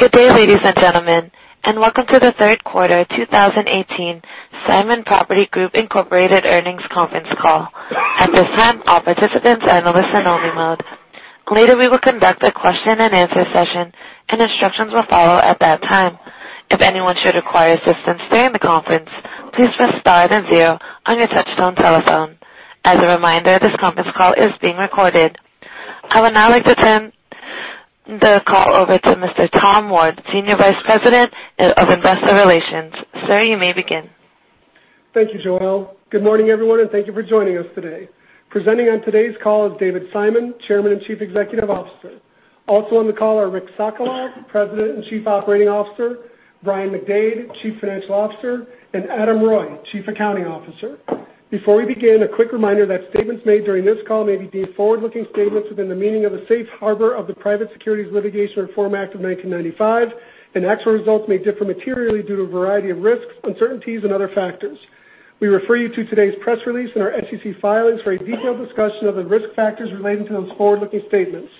Good day, ladies and gentlemen, and welcome to the third quarter 2018 Simon Property Group Incorporated earnings conference call. At this time, all participants are in listen only mode. Later, we will conduct a question and answer session, and instructions will follow at that time. If anyone should require assistance during the conference, please press star then zero on your touch-tone telephone. As a reminder, this conference call is being recorded. I would now like to turn the call over to Mr. Tom Ward, Senior Vice President of Investor Relations. Sir, you may begin. Thank you, Joelle. Good morning, everyone, and thank you for joining us today. Presenting on today's call is David Simon, Chairman and Chief Executive Officer. Also on the call are Rick Sokolov, President and Chief Operating Officer, Brian McDade, Chief Financial Officer, and Adam Roy, Chief Accounting Officer. Before we begin, a quick reminder that statements made during this call may be deemed forward-looking statements within the meaning of the Safe Harbor of the Private Securities Litigation Reform Act of 1995, and actual results may differ materially due to a variety of risks, uncertainties, and other factors. We refer you to today's press release and our SEC filings for a detailed discussion of the risk factors relating to those forward-looking statements.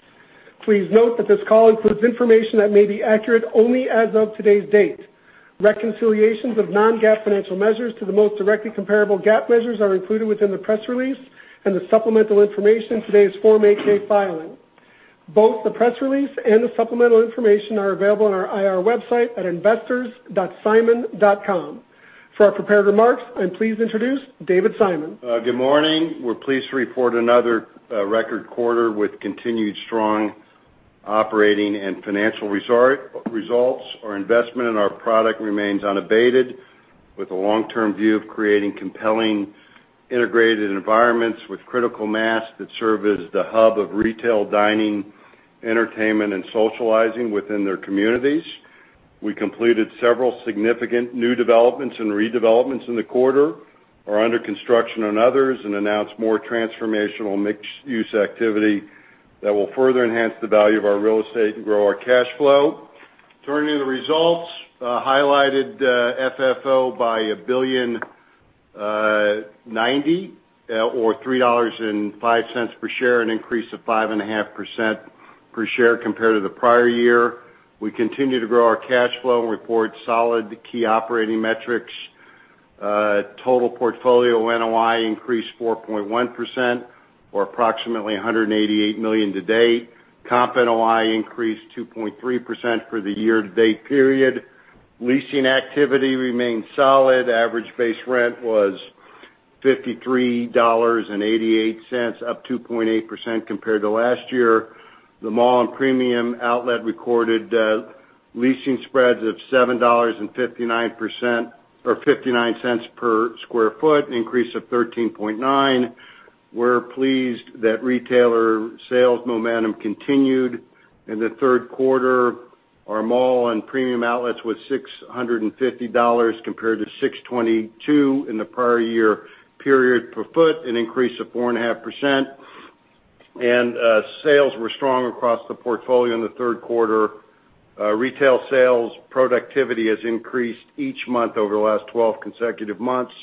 Please note that this call includes information that may be accurate only as of today's date. Reconciliations of non-GAAP financial measures to the most directly comparable GAAP measures are included within the press release and the supplemental information in today's Form 8-K filing. Both the press release and the supplemental information are available on our IR website at investors.simon.com. For our prepared remarks, I am pleased to introduce David Simon. Good morning. We're pleased to report another record quarter with continued strong operating and financial results. Our investment in our product remains unabated, with a long-term view of creating compelling integrated environments with critical mass that serve as the hub of retail, dining, entertainment, and socializing within their communities. We completed several significant new developments and redevelopments in the quarter, are under construction on others, and announced more transformational mixed-use activity that will further enhance the value of our real estate and grow our cash flow. Turning to the results, highlighted FFO by $1.09 billion or $3.05 per share, an increase of 5.5% per share compared to the prior year. We continue to grow our cash flow and report solid key operating metrics. Total portfolio NOI increased 4.1% or approximately $188 million to date. Comp NOI increased 2.3% for the year-to-date period. Leasing activity remained solid. Average base rent was $53.88, up 2.8% compared to last year. The mall and premium outlet recorded leasing spreads of $7.59 per square foot, an increase of 13.9%. We're pleased that retailer sales momentum continued in the third quarter. Our mall and premium outlets was $650 compared to $622 in the prior year period per foot, an increase of 4.5%, and sales were strong across the portfolio in the third quarter. Retail sales productivity has increased each month over the last 12 consecutive months.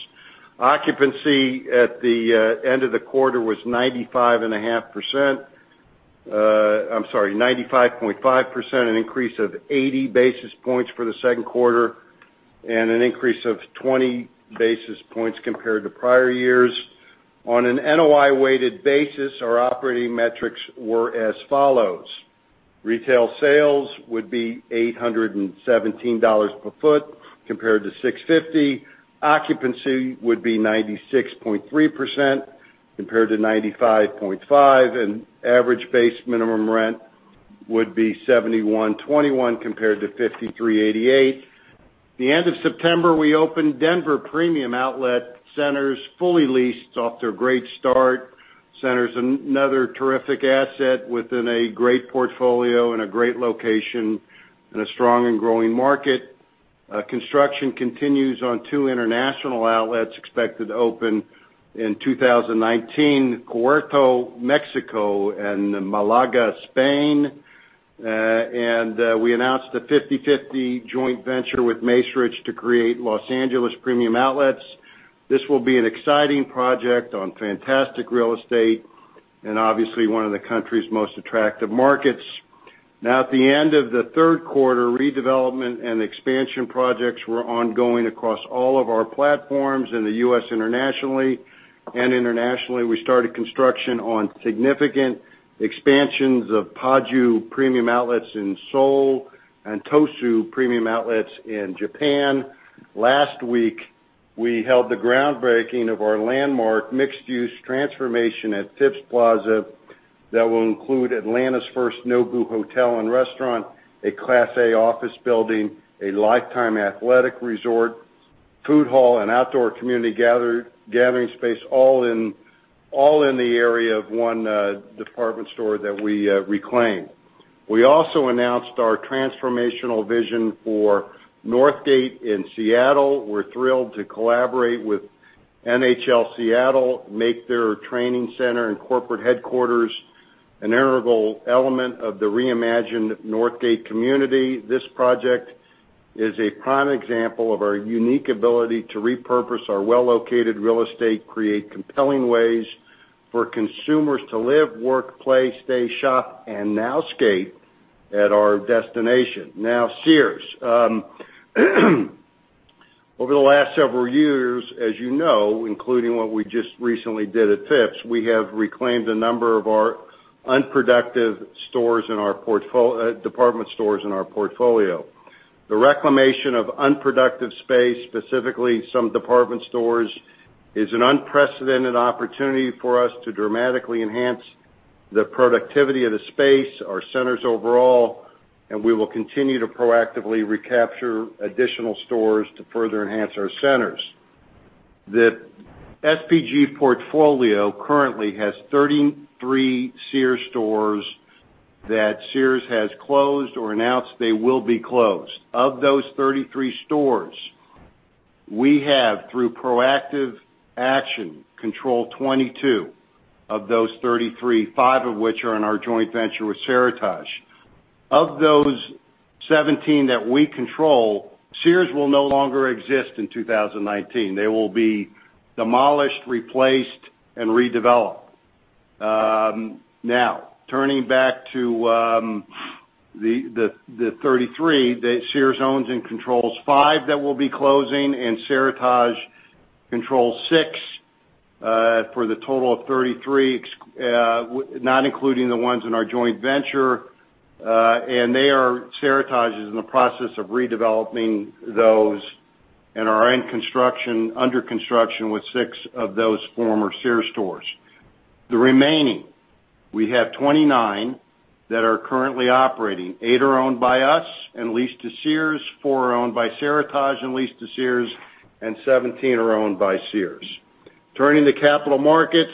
Occupancy at the end of the quarter was 95.5%, an increase of 80 basis points for the second quarter and an increase of 20 basis points compared to prior years. On an NOI-weighted basis, our operating metrics were as follows: retail sales would be $817 per foot compared to $650, occupancy would be 96.3% compared to 95.5%, and average base minimum rent would be $71.21 compared to $53.88. At the end of September, we opened Denver Premium Outlet Center. It's fully leased, it's off to a great start. The center's another terrific asset within a great portfolio in a great location in a strong and growing market. Construction continues on two international outlets expected to open in 2019, Querétaro, Mexico and Málaga, Spain. We announced a 50/50 joint venture with Macerich to create Los Angeles Premium Outlets. This will be an exciting project on fantastic real estate and obviously one of the country's most attractive markets. At the end of the third quarter, redevelopment and expansion projects were ongoing across all of our platforms in the U.S. and internationally. We started construction on significant expansions of Paju Premium Outlets in Seoul and Tosu Premium Outlets in Japan. Last week, we held the groundbreaking of our landmark mixed-use transformation at Phipps Plaza that will include Atlanta's first Nobu Hotel and Restaurant, a class A office building, a Life Time Athletic resort, food hall, and outdoor community gathering space, all in the area of one department store that we reclaimed. We also announced our transformational vision for Northgate in Seattle. We're thrilled to collaborate with NHL Seattle, to make their training center and corporate headquarters an integral element of the reimagined Northgate community. This project is a prime example of our unique ability to repurpose our well-located real estate, create compelling ways for consumers to live, work, play, stay, shop, and now skate at our destination. Sears. Over the last several years, as you know, including what we just recently did at Phipps, we have reclaimed a number of our unproductive department stores in our portfolio. The reclamation of unproductive space, specifically some department stores, is an unprecedented opportunity for us to dramatically enhance the productivity of the space, our centers overall, and we will continue to proactively recapture additional stores to further enhance our centers. The SPG portfolio currently has 33 Sears stores that Sears has closed or announced they will be closed. Of those 33 stores, we have, through proactive action, control 22 of those 33, five of which are in our joint venture with Seritage. Of those 17 that we control, Sears will no longer exist in 2019. They will be demolished, replaced, and redeveloped. Turning back to the 33 that Sears owns and controls, five that will be closing and Seritage controls six, for the total of 33, not including the ones in our joint venture. Seritage is in the process of redeveloping those and are in construction, under construction with six of those former Sears stores. The remaining, we have 29 that are currently operating. Eight are owned by us and leased to Sears, four are owned by Seritage and leased to Sears, and 17 are owned by Sears. Turning to capital markets.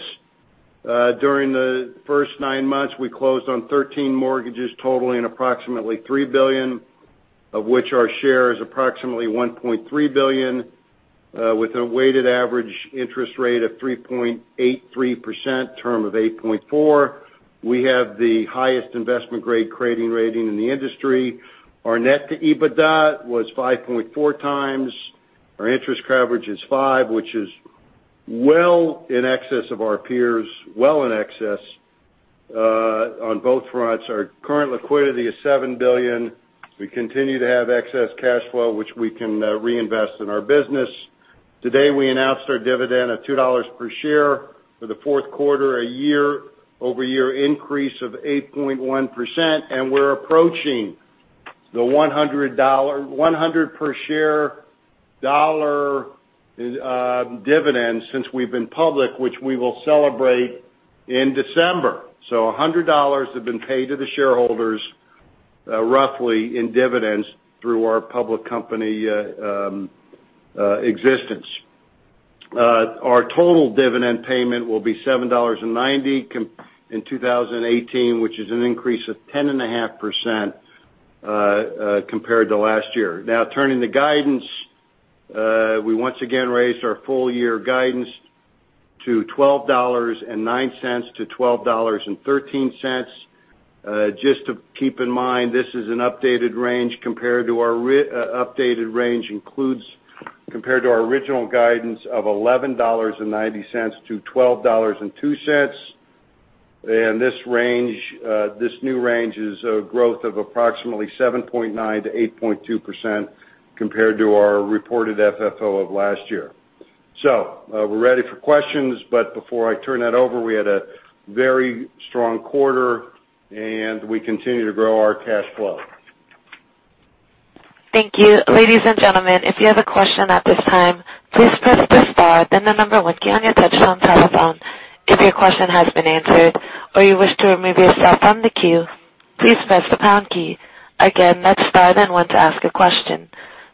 During the first nine months, we closed on 13 mortgages totaling approximately $3 billion, of which our share is approximately $1.3 billion, with a weighted average interest rate of 3.83%, term of 8.4. We have the highest investment-grade credit rating in the industry. Our net-to-EBITDA was 5.4 times. Our interest coverage is five, which is well in excess of our peers, well in excess on both fronts. Our current liquidity is $7 billion. We continue to have excess cash flow, which we can reinvest in our business. Today, we announced our dividend of $2 per share for the fourth quarter, a year-over-year increase of 8.1%, we're approaching the $100 per share dollar dividend since we've been public, which we will celebrate in December. $100 have been paid to the shareholders, roughly, in dividends through our public company existence. Our total dividend payment will be $7.90 in 2018, which is an increase of 10.5% compared to last year. Turning to guidance. We once again raised our full year guidance to $12.09-$12.13. Just to keep in mind, this is an updated range compared to our original guidance of $11.90-$12.02. This new range is a growth of approximately 7.9%-8.2% compared to our reported FFO of last year. We're ready for questions, but before I turn that over, we had a very strong quarter, we continue to grow our cash flow. Thank you. Ladies and gentlemen, if you have a question at this time, please press the star, then the number one key on your touchtone telephone. If your question has been answered or you wish to remove yourself from the queue, please press the pound key. Again, that's star then one to ask a question.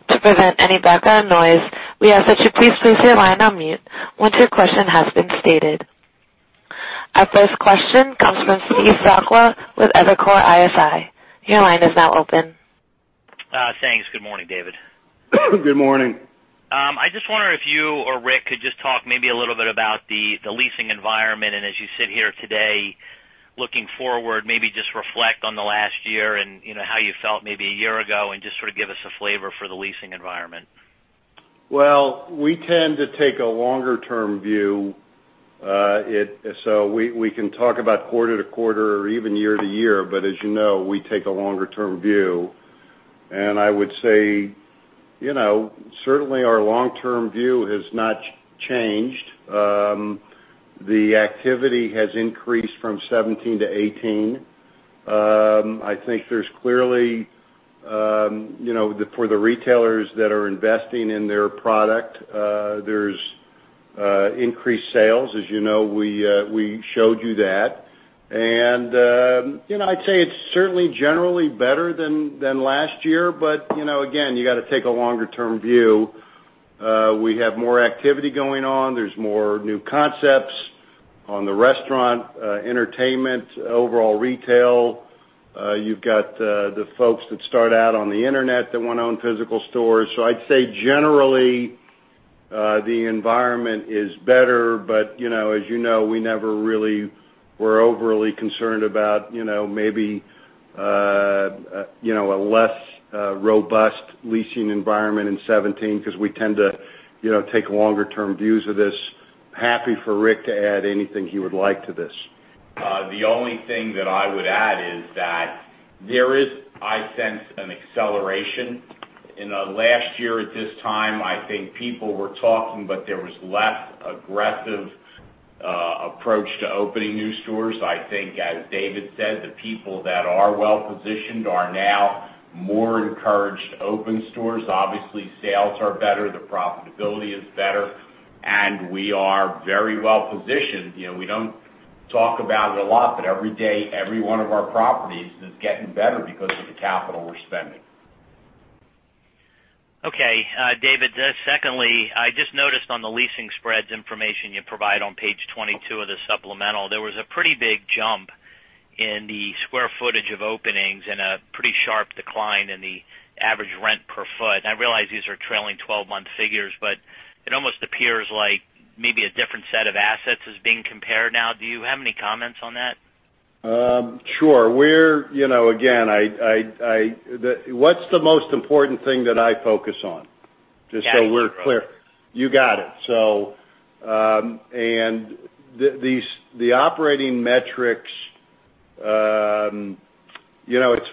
To prevent any background noise, we ask that you please place your line on mute once your question has been stated. Our first question comes from Steve Sakwa with Evercore ISI. Your line is now open. Thanks. Good morning, David. Good morning. I just wonder if you or Rick could just talk maybe a little bit about the leasing environment, and as you sit here today, looking forward, maybe just reflect on the last year and how you felt maybe a year ago, and just sort of give us a flavor for the leasing environment. Well, we tend to take a longer-term view. We can talk about quarter to quarter or even year to year, but as you know, we take a longer-term view. I would say, certainly, our long-term view has not changed. The activity has increased from 2017 to 2018. I think there's clearly, for the retailers that are investing in their product, there's increased sales. As you know, we showed you that. I'd say it's certainly generally better than last year. Again, you got to take a longer-term view. We have more activity going on. There's more new concepts on the restaurant, entertainment, overall retail. You've got the folks that start out on the internet that want to own physical stores. I'd say generally, the environment is better. As you know, we're overly concerned about maybe a less robust leasing environment in 2017 because we tend to take longer-term views of this. Happy for Rick to add anything he would like to this. The only thing that I would add is that there is, I sense, an acceleration. In the last year at this time, I think people were talking, but there was less aggressive approach to opening new stores. I think, as David said, the people that are well positioned are now more encouraged to open stores. Obviously, sales are better, the profitability is better, and we are very well positioned. We don't talk about it a lot, but every day, every one of our properties is getting better because of the capital we're spending. David, secondly, I just noticed on the leasing spreads information you provide on page 22 of the supplemental, there was a pretty big jump in the square footage of openings and a pretty sharp decline in the average rent per foot. I realize these are trailing 12-month figures, but it almost appears like maybe a different set of assets is being compared now. Do you have any comments on that? Sure. Again, what's the most important thing that I focus on, just so we're clear? You got it. The operating metrics, it's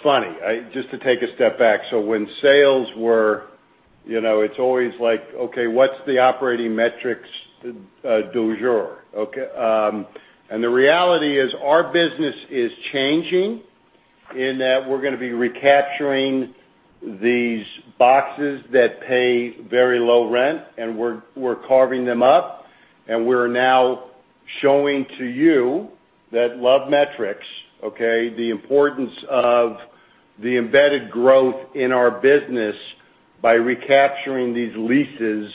funny. Just to take a step back. It's always like, okay, what's the operating metrics du jour? The reality is, our business is changing in that we're going to be recapturing these boxes that pay very low rent, and we're carving them up, and we're now showing to you that new metrics, okay, the importance of the embedded growth in our business by recapturing these leases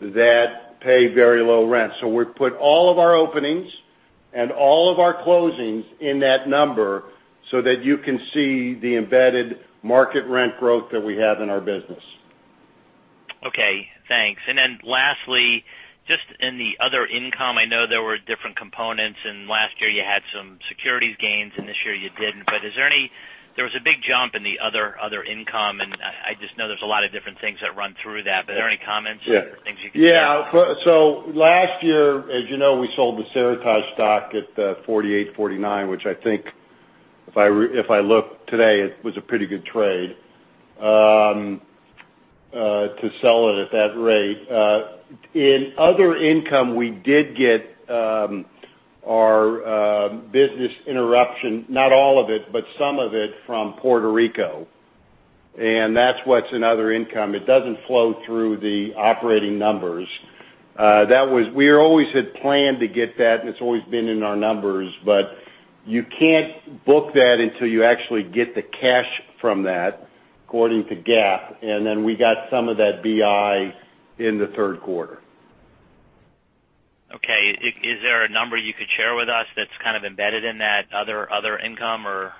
that pay very low rent. We put all of our openings and all of our closings in that number so that you can see the embedded market rent growth that we have in our business. Okay, thanks. Lastly, just in the other income, I know there were different components. Last year you had some securities gains and this year you didn't. There was a big jump in the other income. I just know there's a lot of different things that run through that. Are there any comments or things you can say? Yeah. Last year, as you know, we sold the Seritage stock at 48.49, which I think if I look today, it was a pretty good trade, to sell it at that rate. In other income, we did get our business interruption, not all of it, but some of it from Puerto Rico. That's what's in other income. It doesn't flow through the operating numbers. We always had planned to get that. It's always been in our numbers. You can't book that until you actually get the cash from that, according to GAAP. We got some of that BI in the third quarter. Okay. Is there a number you could share with us that's kind of embedded in that other income or?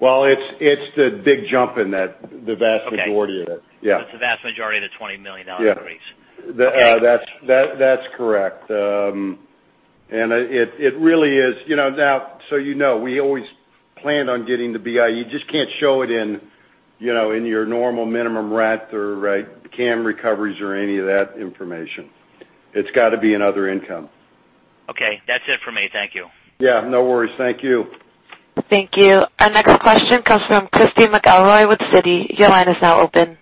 Well, it's the big jump in that, the vast majority of it. Okay. Yeah. It's the vast majority of the $20 million increase. Yeah. Okay. That's correct. You know, we always planned on getting the BI. You just can't show it in your normal minimum rent or CAM recoveries or any of that information. It's got to be in other income. Okay. That's it for me. Thank you. Yeah, no worries. Thank you. Thank you. Our next question comes from Christy McElroy with Citi. Your line is now open.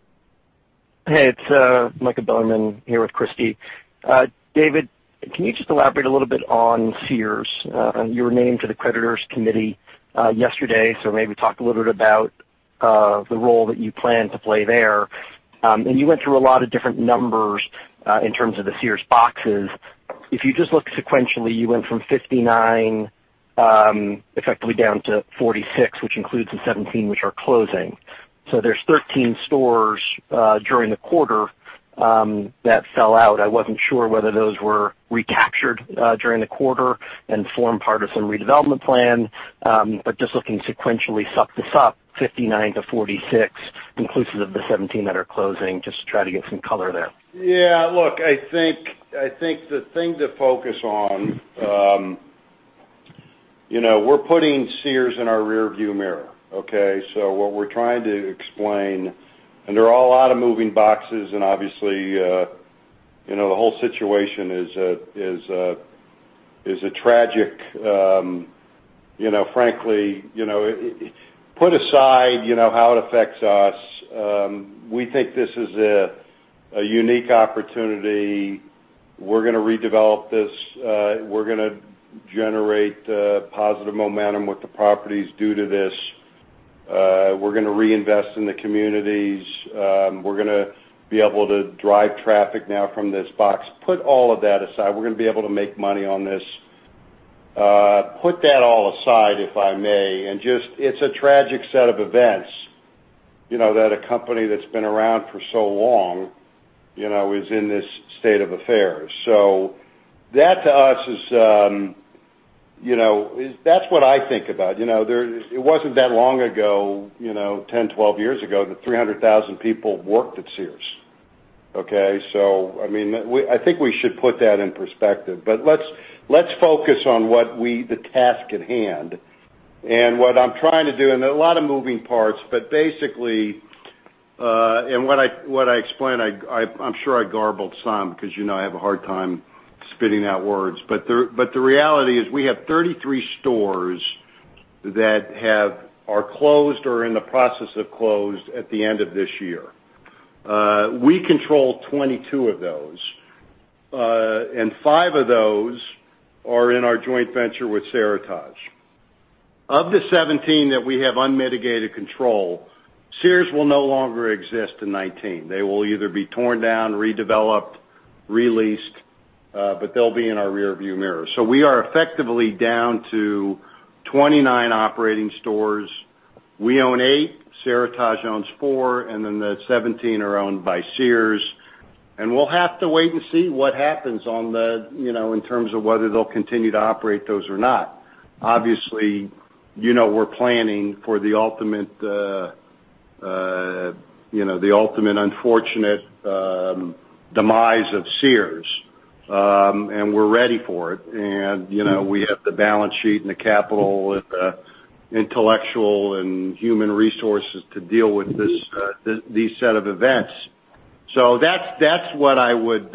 Hey, it's Michael Bilerman here with Christy. David, can you just elaborate a little bit on Sears and your name to the creditors committee yesterday? Maybe talk a little bit about the role that you plan to play there. You went through a lot of different numbers in terms of the Sears boxes. If you just look sequentially, you went from 59 effectively down to 46, which includes the 17 which are closing. There's 13 stores during the quarter that fell out. I wasn't sure whether those were recaptured during the quarter and form part of some redevelopment plan. Just looking sequentially, suck this up, 59 to 46 inclusive of the 17 that are closing, just to try to get some color there. Yeah, look, I think the thing to focus on, we're putting Sears in our rear view mirror, okay? What we're trying to explain, there are a lot of moving boxes and obviously, the whole situation is a tragic, frankly. Put aside how it affects us. We think this is a unique opportunity. We're going to redevelop this. We're going to generate positive momentum with the properties due to this. We're going to reinvest in the communities. We're going to be able to drive traffic now from this box. Put all of that aside. We're going to be able to make money on this. Put that all aside, if I may, just, it's a tragic set of events that a company that's been around for so long is in this state of affairs. That's what I think about. It wasn't that long ago, 10, 12 years ago, that 300,000 people worked at Sears. Okay. I think we should put that in perspective. Let's focus on the task at hand. What I'm trying to do, there are a lot of moving parts, but basically, what I explained, I'm sure I garbled some, because you know I have a hard time spitting out words. The reality is we have 33 stores that are closed or in the process of closed at the end of this year. We control 22 of those. Five of those are in our joint venture with Seritage. Of the 17 that we have unmitigated control, Sears will no longer exist in 2019. They will either be torn down, redeveloped, re-leased, but they'll be in our rear view mirror. We are effectively down to 29 operating stores. We own eight, Seritage owns four, the 17 are owned by Sears. We'll have to wait and see what happens in terms of whether they'll continue to operate those or not. Obviously, we're planning for the ultimate unfortunate demise of Sears. We're ready for it. We have the balance sheet and the capital and the intellectual and human resources to deal with these set of events. That's what I would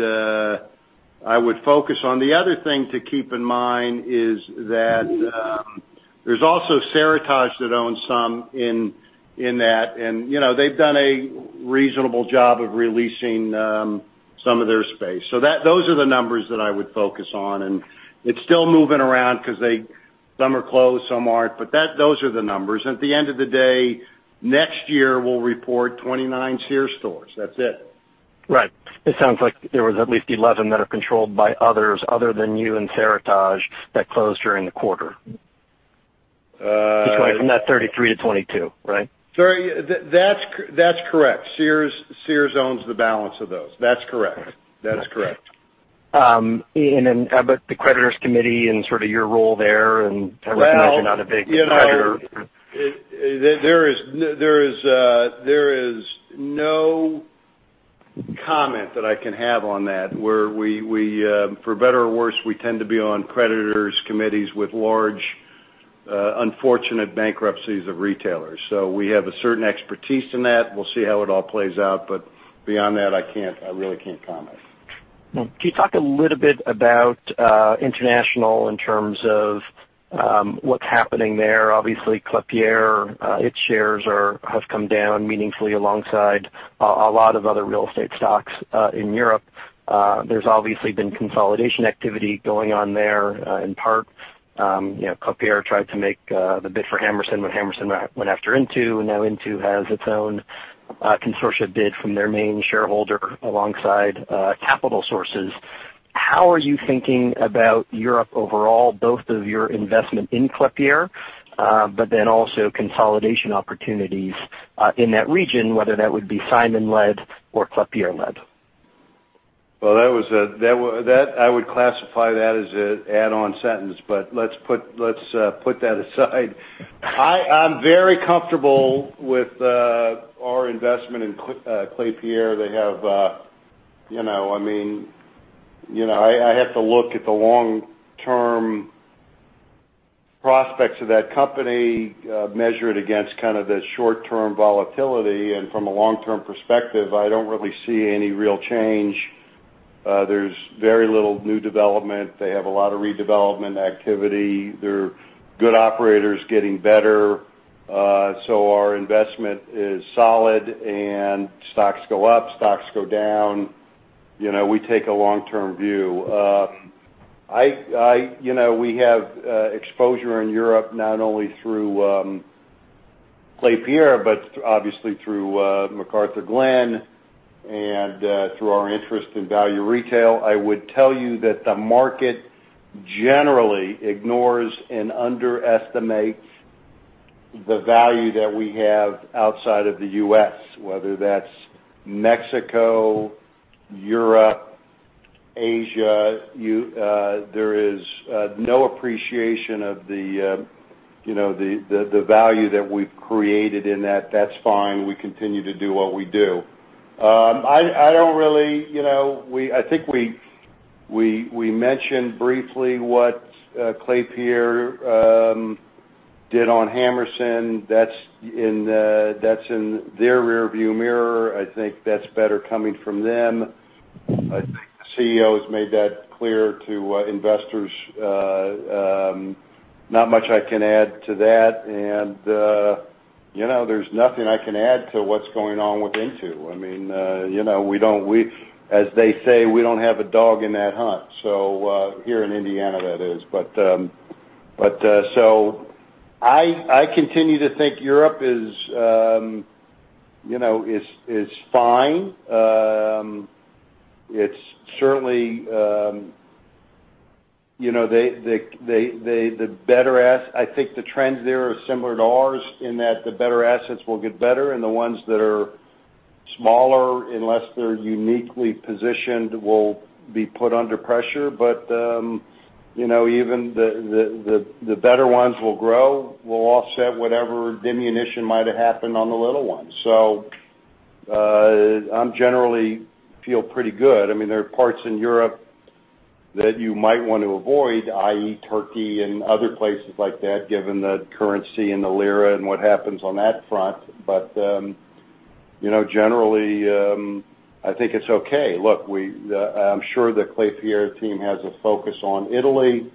focus on. The other thing to keep in mind is that there's also Seritage that owns some in that, and they've done a reasonable job of re-leasing some of their space. Those are the numbers that I would focus on, and it's still moving around because some are closed, some aren't. Those are the numbers. At the end of the day, next year, we'll report 29 Sears stores. That's it. Right. It sounds like there was at least 11 that are controlled by others, other than you and Seritage, that closed during the quarter. Uh- Which went from that 33 to 22, right? That's correct. Sears owns the balance of those. That's correct. Okay. How about the Creditors Committee and sort of your role there, I recognize you're not a big creditor. There is no comment that I can have on that, where for better or worse, we tend to be on creditors committees with large, unfortunate bankruptcies of retailers. We have a certain expertise in that. We'll see how it all plays out. Beyond that, I really can't comment. Can you talk a little bit about international in terms of what's happening there? Obviously, Klépierre, its shares have come down meaningfully alongside a lot of other real estate stocks in Europe. There's obviously been consolidation activity going on there. Klépierre tried to make the bid for Hammerson went after Intu, now Intu has its own consortia bid from their main shareholder alongside capital sources. How are you thinking about Europe overall, both of your investment in Klépierre, then also consolidation opportunities in that region, whether that would be Simon-led or Klépierre-led? I would classify that as an add-on sentence. Let's put that aside. I'm very comfortable with our investment in Klépierre. I have to look at the long-term prospects of that company, measure it against kind of the short-term volatility. From a long-term perspective, I don't really see any real change. There's very little new development. They have a lot of redevelopment activity. They're good operators getting better. Our investment is solid, stocks go up, stocks go down. We take a long-term view. We have exposure in Europe, not only through Klépierre, but obviously through McArthurGlen and through our interest in Value Retail. I would tell you that the market generally ignores and underestimates the value that we have outside of the U.S., whether that's Mexico, Europe, Asia. There is no appreciation of the value that we've created in that. That's fine. We continue to do what we do. I think we mentioned briefly what Klépierre did on Hammerson. That's in their rear-view mirror. I think that's better coming from them. I think the CEO has made that clear to investors. Not much I can add to that. There's nothing I can add to what's going on with Intu. As they say, we don't have a dog in that hunt. Here in Indiana, that is. I continue to think Europe is fine. I think the trends there are similar to ours in that the better assets will get better, and the ones that are smaller, unless they're uniquely positioned, will be put under pressure. But even the better ones will grow, will offset whatever diminution might have happened on the little ones. I generally feel pretty good. There are parts in Europe that you might want to avoid, i.e., Turkey and other places like that, given the currency and the lira and what happens on that front. Generally, I think it's okay. Look, I'm sure the Klépierre team has a focus on Italy,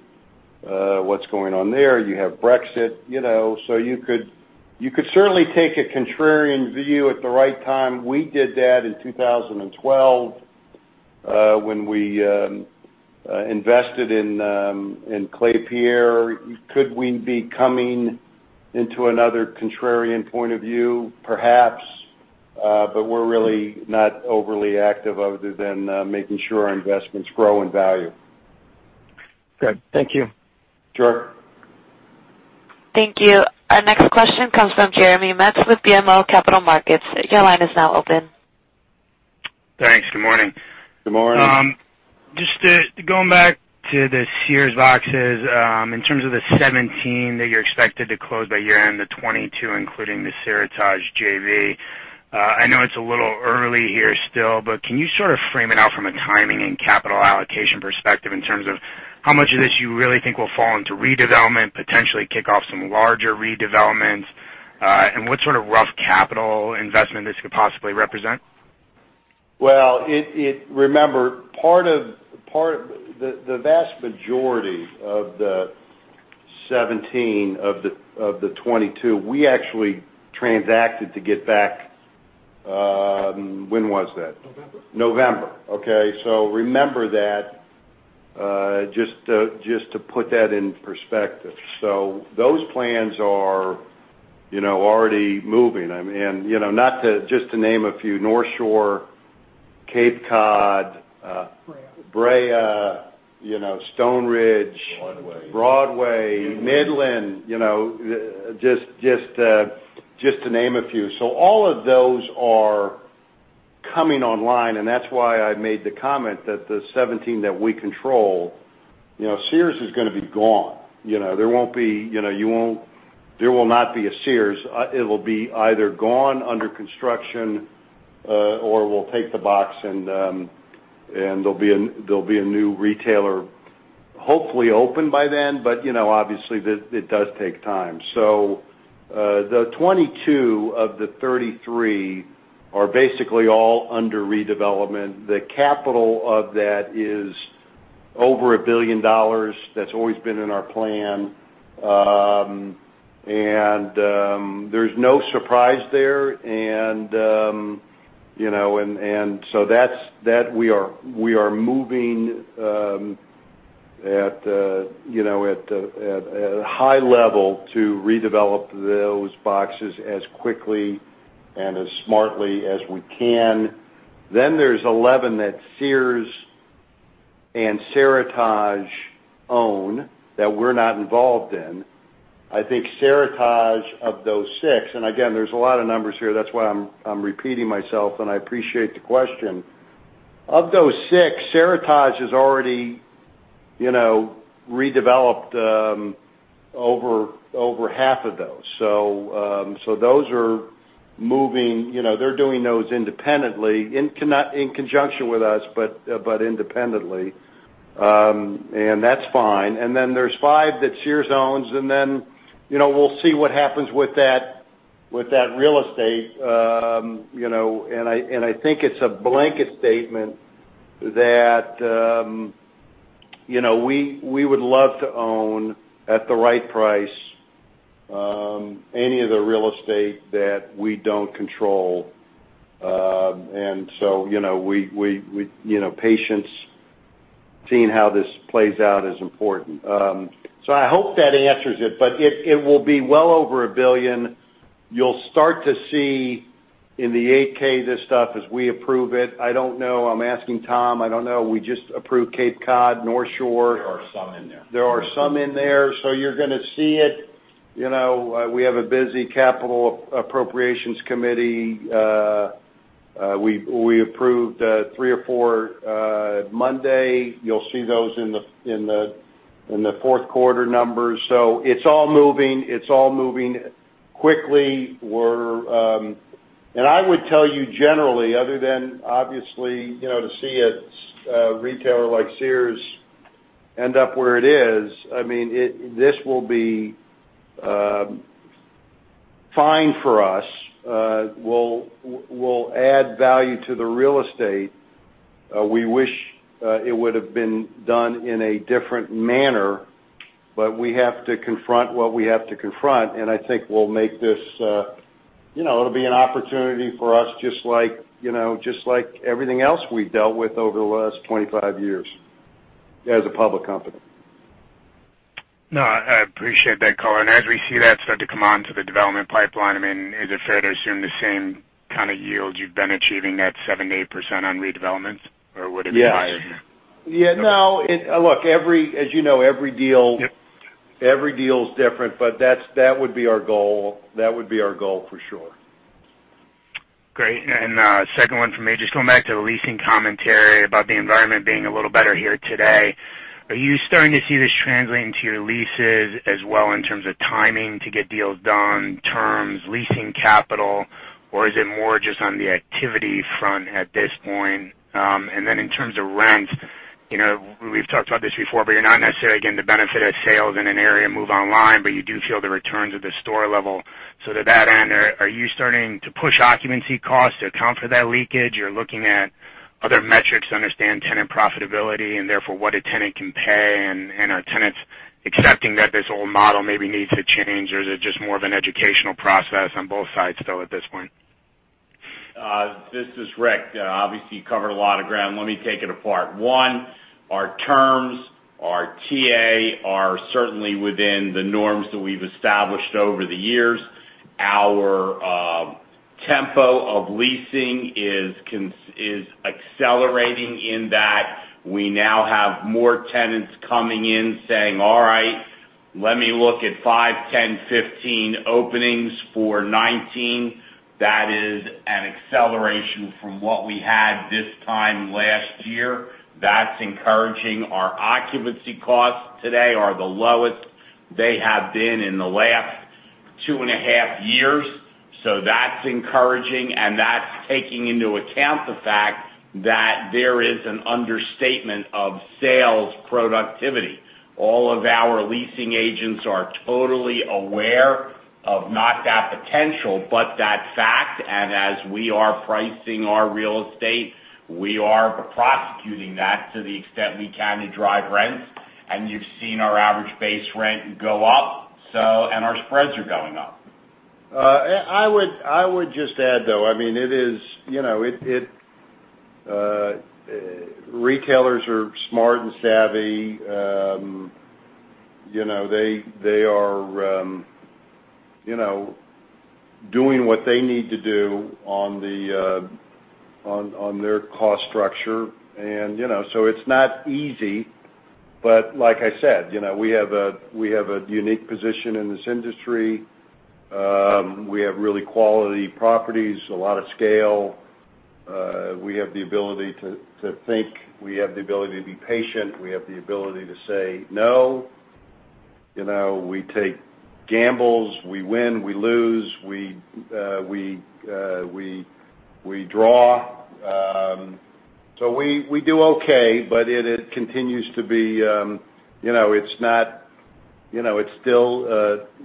what's going on there. You have Brexit. You could certainly take a contrarian view at the right time. We did that in 2012, when we invested in Klépierre. Could we be coming into another contrarian point of view? Perhaps. We're really not overly active other than making sure our investments grow in value. Good. Thank you. Sure. Thank you. Our next question comes from Jeremy Metz with BMO Capital Markets. Your line is now open. Thanks. Good morning. Good morning. Just going back to the Sears boxes, in terms of the 17 that you're expected to close by year-end, the 22, including the Seritage JV. I know it's a little early here still, but can you sort of frame it out from a timing and capital allocation perspective in terms of how much of this you really think will fall into redevelopment, potentially kick off some larger redevelopments, and what sort of rough capital investment this could possibly represent? Well, remember, the vast majority of the 17, of the 22, we actually transacted to get back When was that? November. November. Okay. Remember that, just to put that in perspective. Those plans are already moving. Just to name a few, North Shore, Cape Cod- Brea. Brea, Stoneridge. Broadway. Broadway. Midland. Midland. Just to name a few. All of those are coming online, and that's why I made the comment that the 17 that we control, Sears is going to be gone. There will not be a Sears. It will be either gone, under construction, or we will take the box and there will be a new retailer, hopefully open by then, but obviously, it does take time. The 22 of the 33 are basically all under redevelopment. The capital of that is over $1 billion. That's always been in our plan. There's no surprise there. We are moving at a high level to redevelop those boxes as quickly and as smartly as we can. Then there is 11 that Sears and Seritage own that we are not involved in. I think Seritage, of those six, and again, there is a lot of numbers here, that is why I am repeating myself, and I appreciate the question. Of those six, Seritage has already redeveloped over half of those. Those are moving. They are doing those independently, in conjunction with us, but independently. That is fine. Then there is five that Sears owns, and then we will see what happens with that real estate. I think it is a blanket statement that we would love to own, at the right price, any of the real estate that we do not control. Patience, seeing how this plays out is important. I hope that answers it will be well over $1 billion. You will start to see in the 8-K this stuff as we approve it. I do not know, I am asking Tom. I do not know. We just approved Cape Cod, North Shore. There are some in there. There are some in there. You are going to see it. We have a busy capital appropriations committee. We approved three or four Monday. You will see those in the fourth quarter numbers. It is all moving. It is all moving quickly. I would tell you generally, other than obviously to see a retailer like Sears end up where it is, this will be fine for us. We will add value to the real estate. We wish it would have been done in a different manner. We have to confront what we have to confront, I think we will make this. It will be an opportunity for us just like everything else we have dealt with over the last 25 years as a public company. No, I appreciate that, Colin. As we see that start to come onto the development pipeline, is it fair to assume the same kind of yield you have been achieving, that 7%-8% on redevelopments, or would it be higher than that? Yeah. No. Look, as you know, every deal is different. That would be our goal. That would be our goal for sure. Great. Second one from me. Just going back to the leasing commentary about the environment being a little better here today. Are you starting to see this translating to your leases as well in terms of timing to get deals done, terms, leasing capital, or is it more just on the activity front at this point? In terms of rent, we've talked about this before, but you're not necessarily getting the benefit of sales in an area move online, but you do feel the returns at the store level. To that end, are you starting to push occupancy costs to account for that leakage? Are you looking at other metrics to understand tenant profitability, and therefore, what a tenant can pay? Are tenants accepting that this old model maybe needs to change, or is it just more of an educational process on both sides still at this point? This is Rick. Obviously, you covered a lot of ground. Let me take it apart. One, our terms, our TA, are certainly within the norms that we've established over the years. Our tempo of leasing is accelerating in that we now have more tenants coming in saying, "All right, let me look at 5, 10, 15 openings for 2019." That is an acceleration from what we had this time last year. That's encouraging. Our occupancy costs today are the lowest they have been in the last two and a half years. That's encouraging, and that's taking into account the fact that there is an understatement of sales productivity. All of our leasing agents are totally aware of not that potential, but that fact. As we are pricing our real estate, we are prosecuting that to the extent we can to drive rents. You've seen our average base rent go up, and our spreads are going up. I would just add, though, retailers are smart and savvy. They are doing what they need to do on their cost structure. It's not easy, but like I said, we have a unique position in this industry. We have really quality properties, a lot of scale. We have the ability to think, we have the ability to be patient. We have the ability to say no. We take gambles. We win, we lose, we draw. We do okay, but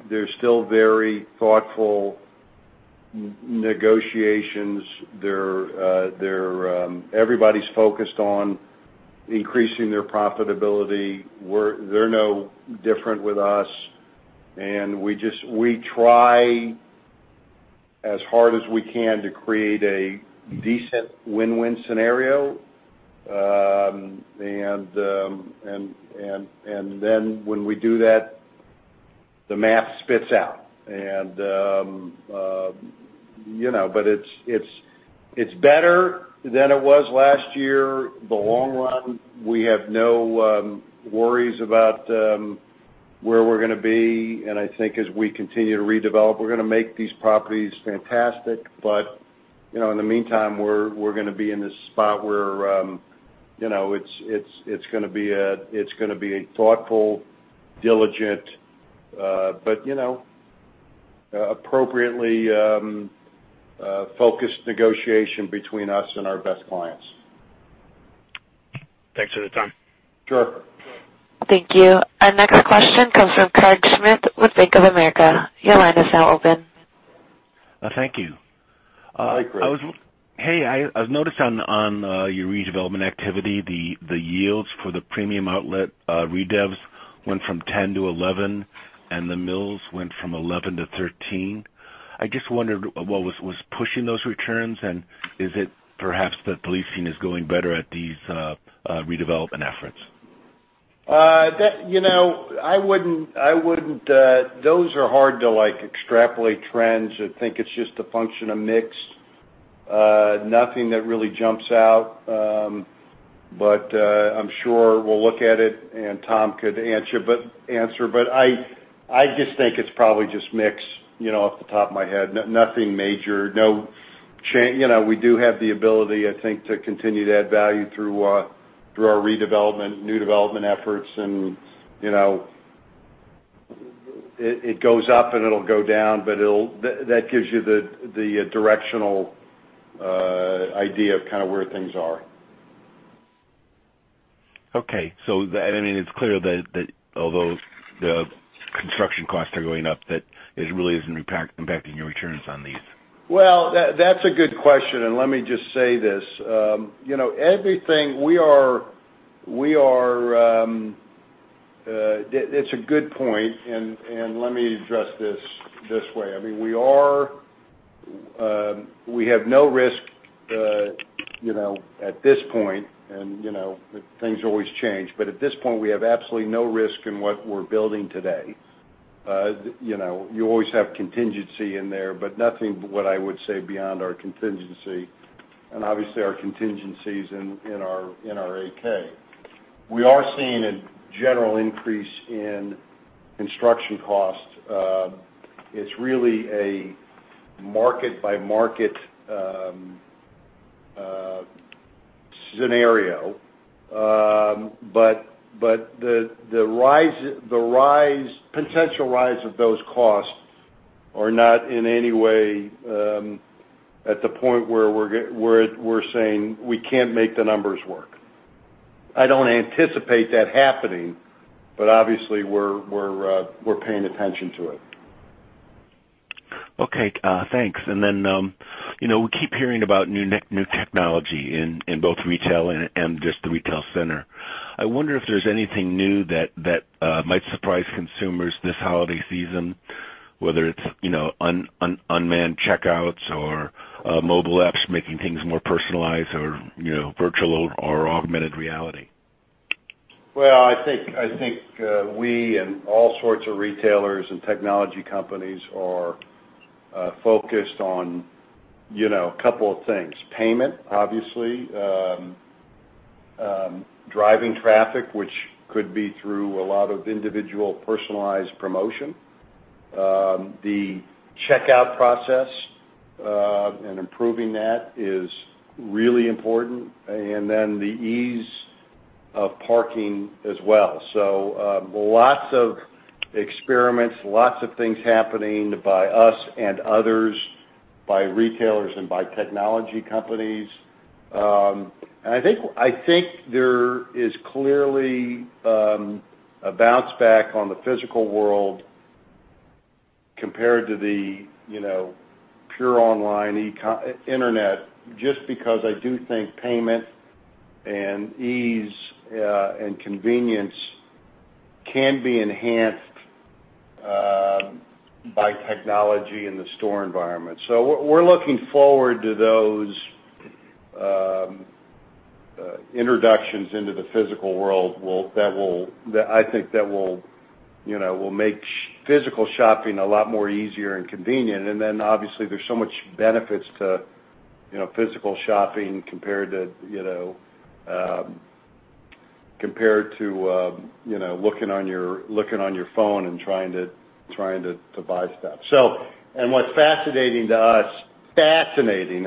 they're still very thoughtful negotiations. Everybody's focused on increasing their profitability. They're no different with us, and we try as hard as we can to create a decent win-win scenario. When we do that, the math spits out. It's better than it was last year. The long run, we have no worries about where we're going to be, I think as we continue to redevelop, we're going to make these properties fantastic. In the meantime, we're going to be in this spot where it's going to be a thoughtful, diligent, but appropriately focused negotiation between us and our best clients. Thanks for the time. Sure. Thank you. Our next question comes from Craig Mailman with Bank of America. Your line is now open. Thank you. Hi, Craig. Hey, I've noticed on your redevelopment activity, the yields for the premium outlet redevs went from 10 to 11, and The Mills went from 11 to 13. I just wondered what was pushing those returns, and is it perhaps that leasing is going better at these redevelopment efforts? Those are hard to extrapolate trends. I think it's just a function of mix. Nothing that really jumps out. I'm sure we'll look at it, and Tom could answer, but I just think it's probably just mix, off the top of my head. Nothing major. We do have the ability, I think, to continue to add value through our redevelopment, new development efforts, and it goes up, and it'll go down, but that gives you the directional idea of kind of where things are. Okay. It's clear that although the construction costs are going up, that it really isn't impacting your returns on these. Well, that's a good question, and let me just say this. It's a good point, and let me address this way. We have no risk at this point, and things always change, but at this point, we have absolutely no risk in what we're building today. You always have contingency in there, but nothing what I would say beyond our contingency, and obviously our contingency is in our 8-K. We are seeing a general increase in construction costs. It's really a market by market scenario. The potential rise of those costs are not in any way at the point where we're saying we can't make the numbers work. I don't anticipate that happening, but obviously we're paying attention to it. Okay, thanks. We keep hearing about new technology in both retail and just the retail center. I wonder if there's anything new that might surprise consumers this holiday season, whether it's unmanned checkouts or mobile apps making things more personalized or virtual or augmented reality. Well, I think we and all sorts of retailers and technology companies are focused on a couple of things. Payment, obviously, driving traffic, which could be through a lot of individual personalized promotion. The checkout process, and improving that is really important. The ease of parking as well. Lots of experiments, lots of things happening by us and others, by retailers and by technology companies. I think there is clearly a bounce back on the physical world compared to the pure online e-com, internet, just because I do think payment and ease and convenience can be enhanced by technology in the store environment. We're looking forward to those introductions into the physical world, I think that will make physical shopping a lot more easier and convenient. Obviously there's so much benefits to physical shopping compared to looking on your phone and trying to buy stuff. What's fascinating to us, fascinating,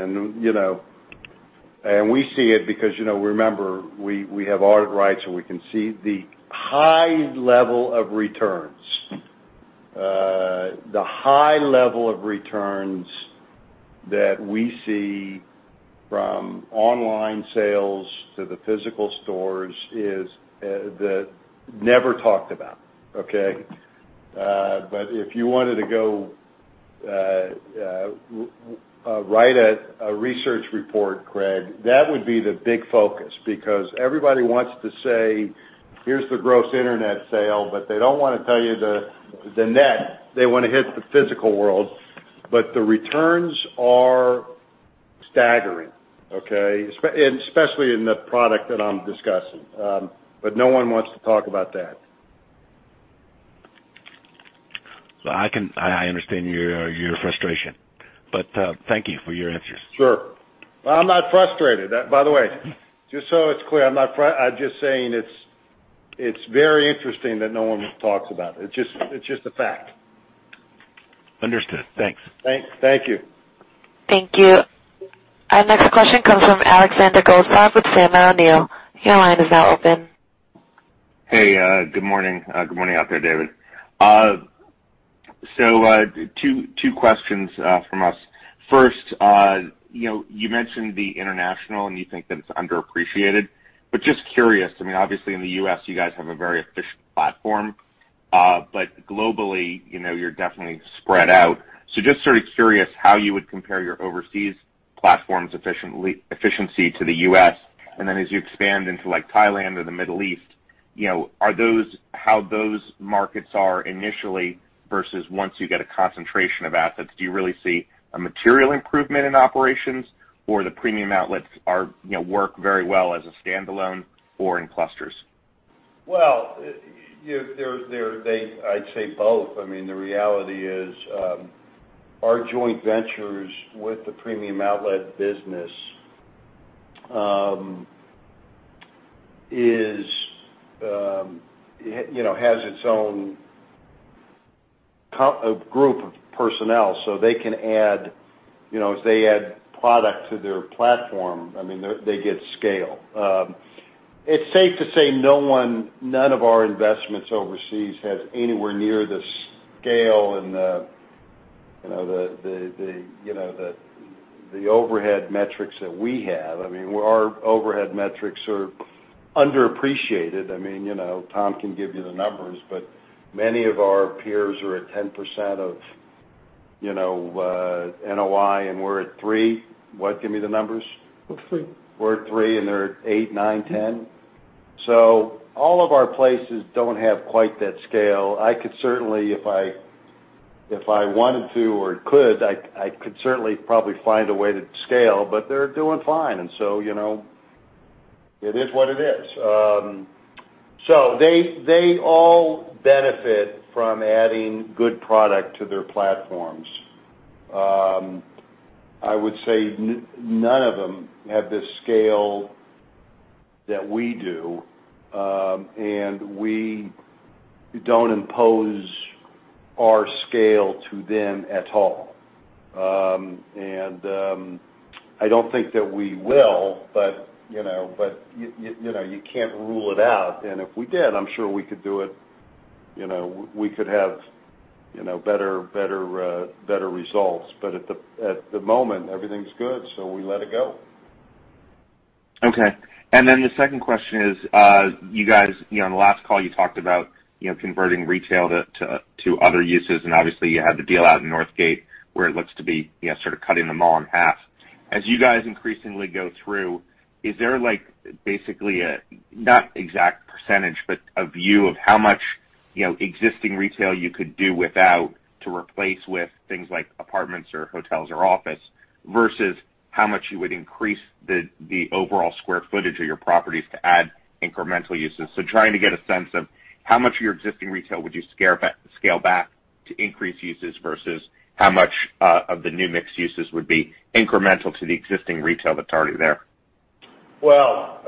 and we see it because remember, we have audit rights, and we can see the high level of returns. The high level of returns that we see from online sales to the physical stores is never talked about, okay? If you wanted to go write a research report, Craig, that would be the big focus because everybody wants to say, "Here's the gross internet sale," but they don't want to tell you the net. They want to hit the physical world. The returns are staggering, okay? Especially in the product that I'm discussing. No one wants to talk about that. I understand your frustration, but thank you for your answers. Sure. I'm not frustrated, by the way. Just so it's clear, I'm just saying it's very interesting that no one talks about it. It's just a fact. Understood. Thanks. Thank you. Thank you. Our next question comes from Alexander Goldfarb with Sandler O'Neill. Your line is now open. Hey, good morning. Good morning out there, David. Two questions from us. First, you mentioned the international and you think that it's underappreciated, but just curious, I mean, obviously in the U.S. you guys have a very efficient platform. Globally, you're definitely spread out. Just sort of curious how you would compare your overseas platform's efficiency to the U.S. Then as you expand into Thailand or the Middle East, how those markets are initially versus once you get a concentration of assets. Do you really see a material improvement in operations or the Premium Outlets work very well as a standalone or in clusters? Well, I'd say both. I mean, the reality is, our joint ventures with the Premium Outlets business has its own group of personnel. They can add, as they add product to their platform, they get scale. It's safe to say none of our investments overseas has anywhere near the scale and the overhead metrics that we have. Our overhead metrics are underappreciated. Tom can give you the numbers, but many of our peers are at 10% of NOI, and we're at 3%. What, give me the numbers. We're three. We're at three, and they're at eight, nine, 10. All of our places don't have quite that scale. I could certainly, if I wanted to or could, I could certainly probably find a way to scale, but they're doing fine, and so it is what it is. They all benefit from adding good product to their platforms. I would say none of them have the scale that we do, and we don't impose our scale to them at all. I don't think that we will, but you can't rule it out. If we did, I'm sure we could do it. We could have better results. At the moment, everything's good, so we let it go. Okay. The second question is, you guys, on the last call, you talked about converting retail to other uses, and obviously, you had the deal out in Northgate where it looks to be sort of cutting the mall in half. As you guys increasingly go through, is there basically, not exact percentage, but a view of how much existing retail you could do without to replace with things like apartments or hotels or office, versus how much you would increase the overall square footage of your properties to add incremental uses? Trying to get a sense of how much of your existing retail would you scale back to increase uses versus how much of the new mixed uses would be incremental to the existing retail that's already there. Well,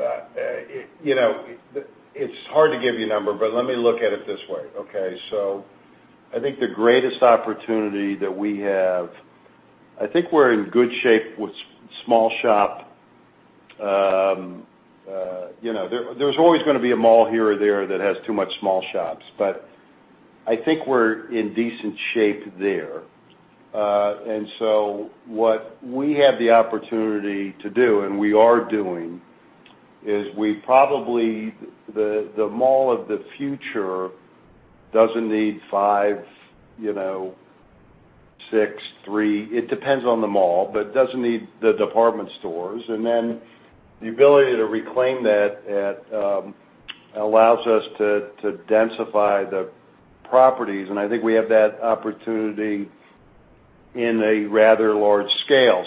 it's hard to give you a number, but let me look at it this way, okay? I think the greatest opportunity that we have, I think we're in good shape with small shop. There's always going to be a mall here or there that has too much small shops, but I think we're in decent shape there. What we have the opportunity to do, and we are doing, is we probably the mall of the future doesn't need five, six, three. It depends on the mall, but it doesn't need the department stores. The ability to reclaim that allows us to densify the properties, and I think we have that opportunity in a rather large scale.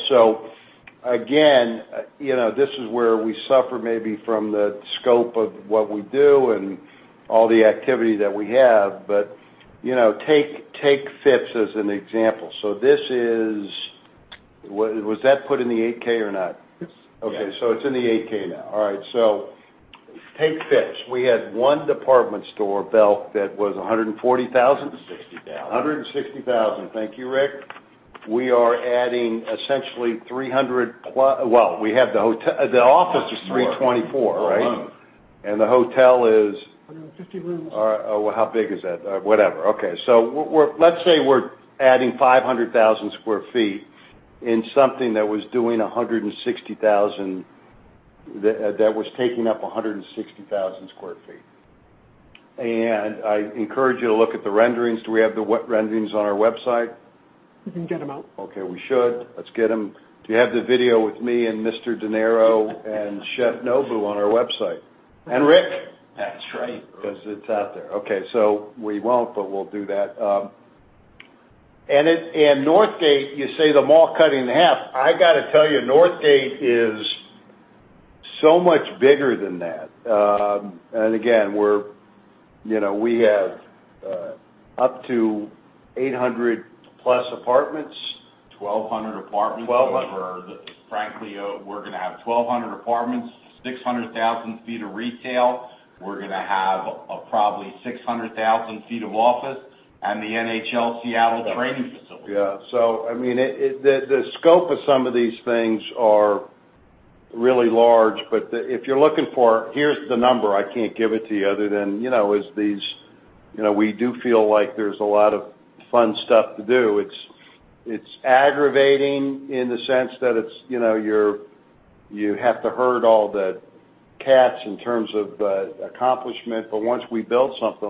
Again, this is where we suffer maybe from the scope of what we do and all the activity that we have. Take Phipps as an example. Was that put in the 8-K or not? Yes. Okay. It's in the 8-K now. All right. Take Phipps. We had one department store, Belk, that was 140,000? 160,000. 160,000. Thank you, Rick. We are adding essentially 300 plus. We have the hotel. The office is 324, right? Alone. The hotel is 150 rooms. All right. How big is that? Whatever. Okay. Let's say we're adding 500,000 square feet in something that was doing 160,000, that was taking up 160,000 square feet. I encourage you to look at the renderings. Do we have the renderings on our website? We can get them out. Okay. We should. Let's get them. Do you have the video with me and Mr. De Niro and Chef Nobu on our website? Rick. That's right. It's out there. Okay. We won't, but we'll do that. Northgate, you say the mall cut in half. I got to tell you, Northgate is so much bigger than that. Again, we have up to 800 plus apartments. 1,200 apartments. 1200. Frankly, we're going to have 1,200 apartments, 600,000 feet of retail. We're going to have probably 600,000 feet of office and the NHL Seattle training facility. Yeah. The scope of some of these things are really large, but if you're looking for, "Here's the number," I can't give it to you other than, we do feel like there's a lot of fun stuff to do. It's aggravating in the sense that you have to herd all the cats in terms of accomplishment. Once we build something.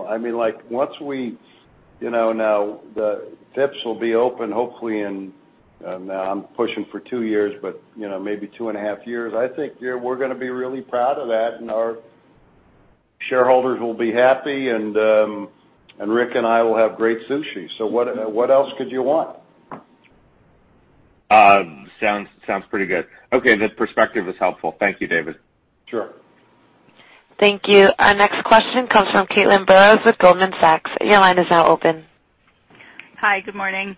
Phipps will be open, hopefully in, I'm pushing for two years, but maybe two and a half years. I think we're going to be really proud of that, and our shareholders will be happy, and Rick and I will have great sushi. What else could you want? Sounds pretty good. Okay. The perspective was helpful. Thank you, David. Sure. Thank you. Our next question comes from Caitlin Burrows with Goldman Sachs. Your line is now open. Hi. Good morning.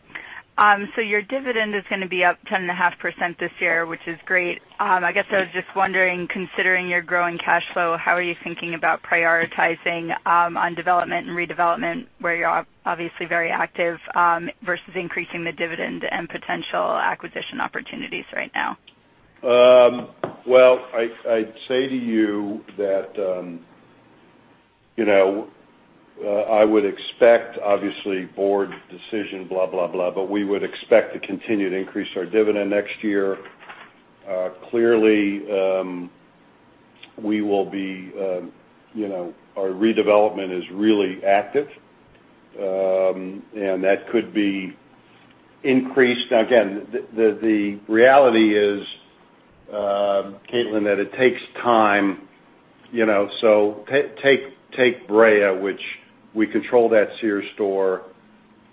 Your dividend is going to be up 10 and a half% this year, which is great. I guess I was just wondering, considering your growing cash flow, how are you thinking about prioritizing on development and redevelopment, where you're obviously very active, versus increasing the dividend and potential acquisition opportunities right now? I'd say to you that I would expect, obviously board decision, blah, blah, we would expect to continue to increase our dividend next year. Clearly, our redevelopment is really active, that could be increased. Again, the reality is, Caitlin, that it takes time. Take Brea, which we control that Sears store.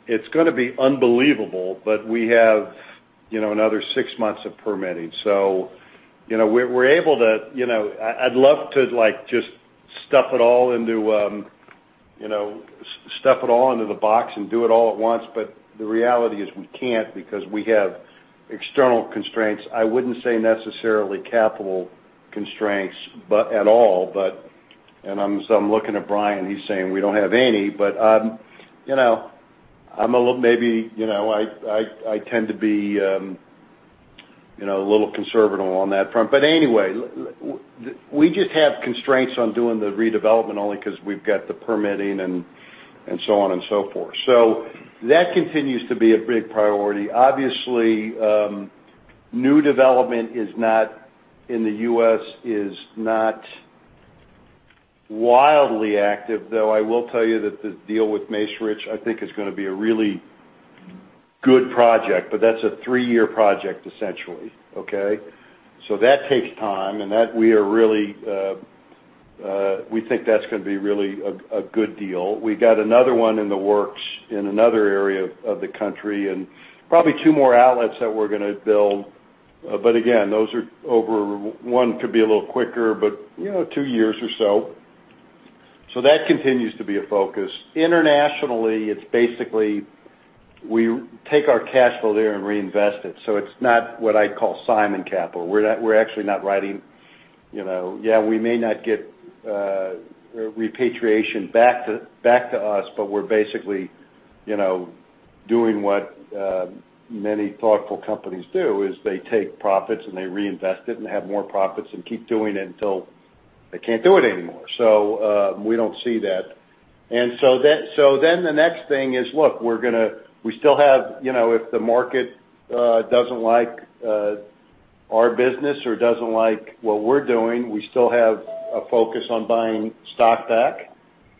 It's going to be unbelievable, we have another 6 months of permitting. I'd love to just stuff it all into the box and do it all at once. The reality is we can't because we have external constraints. I wouldn't say necessarily capital constraints at all, I'm looking at Brian, he's saying we don't have any. I tend to be a little conservative on that front. Anyway, we just have constraints on doing the redevelopment only because we've got the permitting and so on and so forth. That continues to be a big priority. Obviously, new development in the U.S. is not wildly active, though I will tell you that the deal with Macerich, I think is going to be a really good project, that's a 3-year project, essentially, okay? That takes time we think that's going to be really a good deal. We got another one in the works in another area of the country probably 2 more outlets that we're going to build. Again, those are over, one could be a little quicker, two years or so. That continues to be a focus. Internationally, it's basically, we take our cash flow there reinvest it. It's not what I'd call Simon capital. We're actually not writing. Yeah, we may not get repatriation back to us, we're basically doing what many thoughtful companies do, is they take profits they reinvest it have more profits and keep doing it until they can't do it anymore. We don't see that. The next thing is, look, if the market doesn't like our business or doesn't like what we're doing, we still have a focus on buying stock back.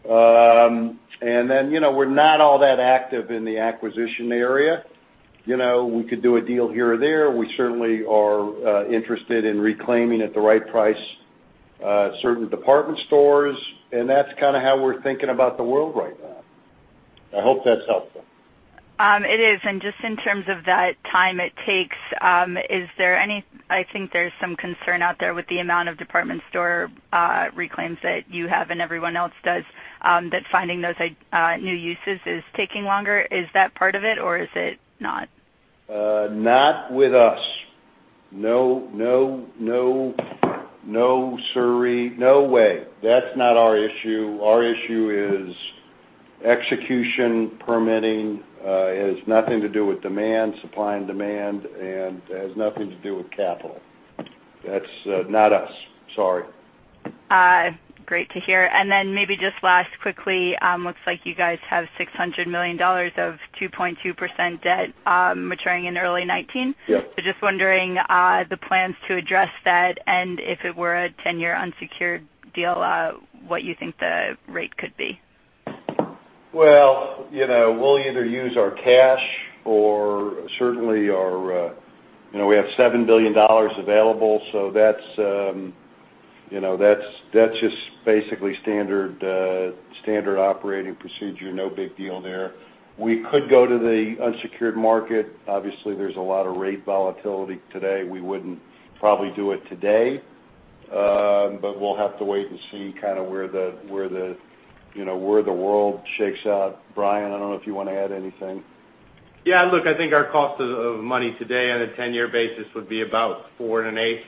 We're not all that active in the acquisition area. We could do a deal here or there. We certainly are interested in reclaiming at the right price, certain department stores, that's kind of how we're thinking about the world right now. I hope that's helpful. It is, just in terms of that time it takes, I think there's some concern out there with the amount of department store reclaims that you have and everyone else does, that finding those new uses is taking longer. Is that part of it or is it not? Not with us. No, siree. No way. That's not our issue. Our issue is execution, permitting. It has nothing to do with demand, supply and demand, and it has nothing to do with capital. That's not us. Sorry. Great to hear. Then maybe just last quickly, looks like you guys have $600 million of 2.2% debt maturing in early 2019. Yep. Just wondering the plans to address that, and if it were a 10-year unsecured deal, what you think the rate could be. Well, we'll either use our cash or certainly We have $7 billion available, that's just basically standard operating procedure. No big deal there. We could go to the unsecured market. Obviously, there's a lot of rate volatility today. We wouldn't probably do it today. We'll have to wait and see kind of where the world shakes out. Brian, I don't know if you want to add anything. Look, I think our cost of money today on a 10-year basis would be about four and an eighth.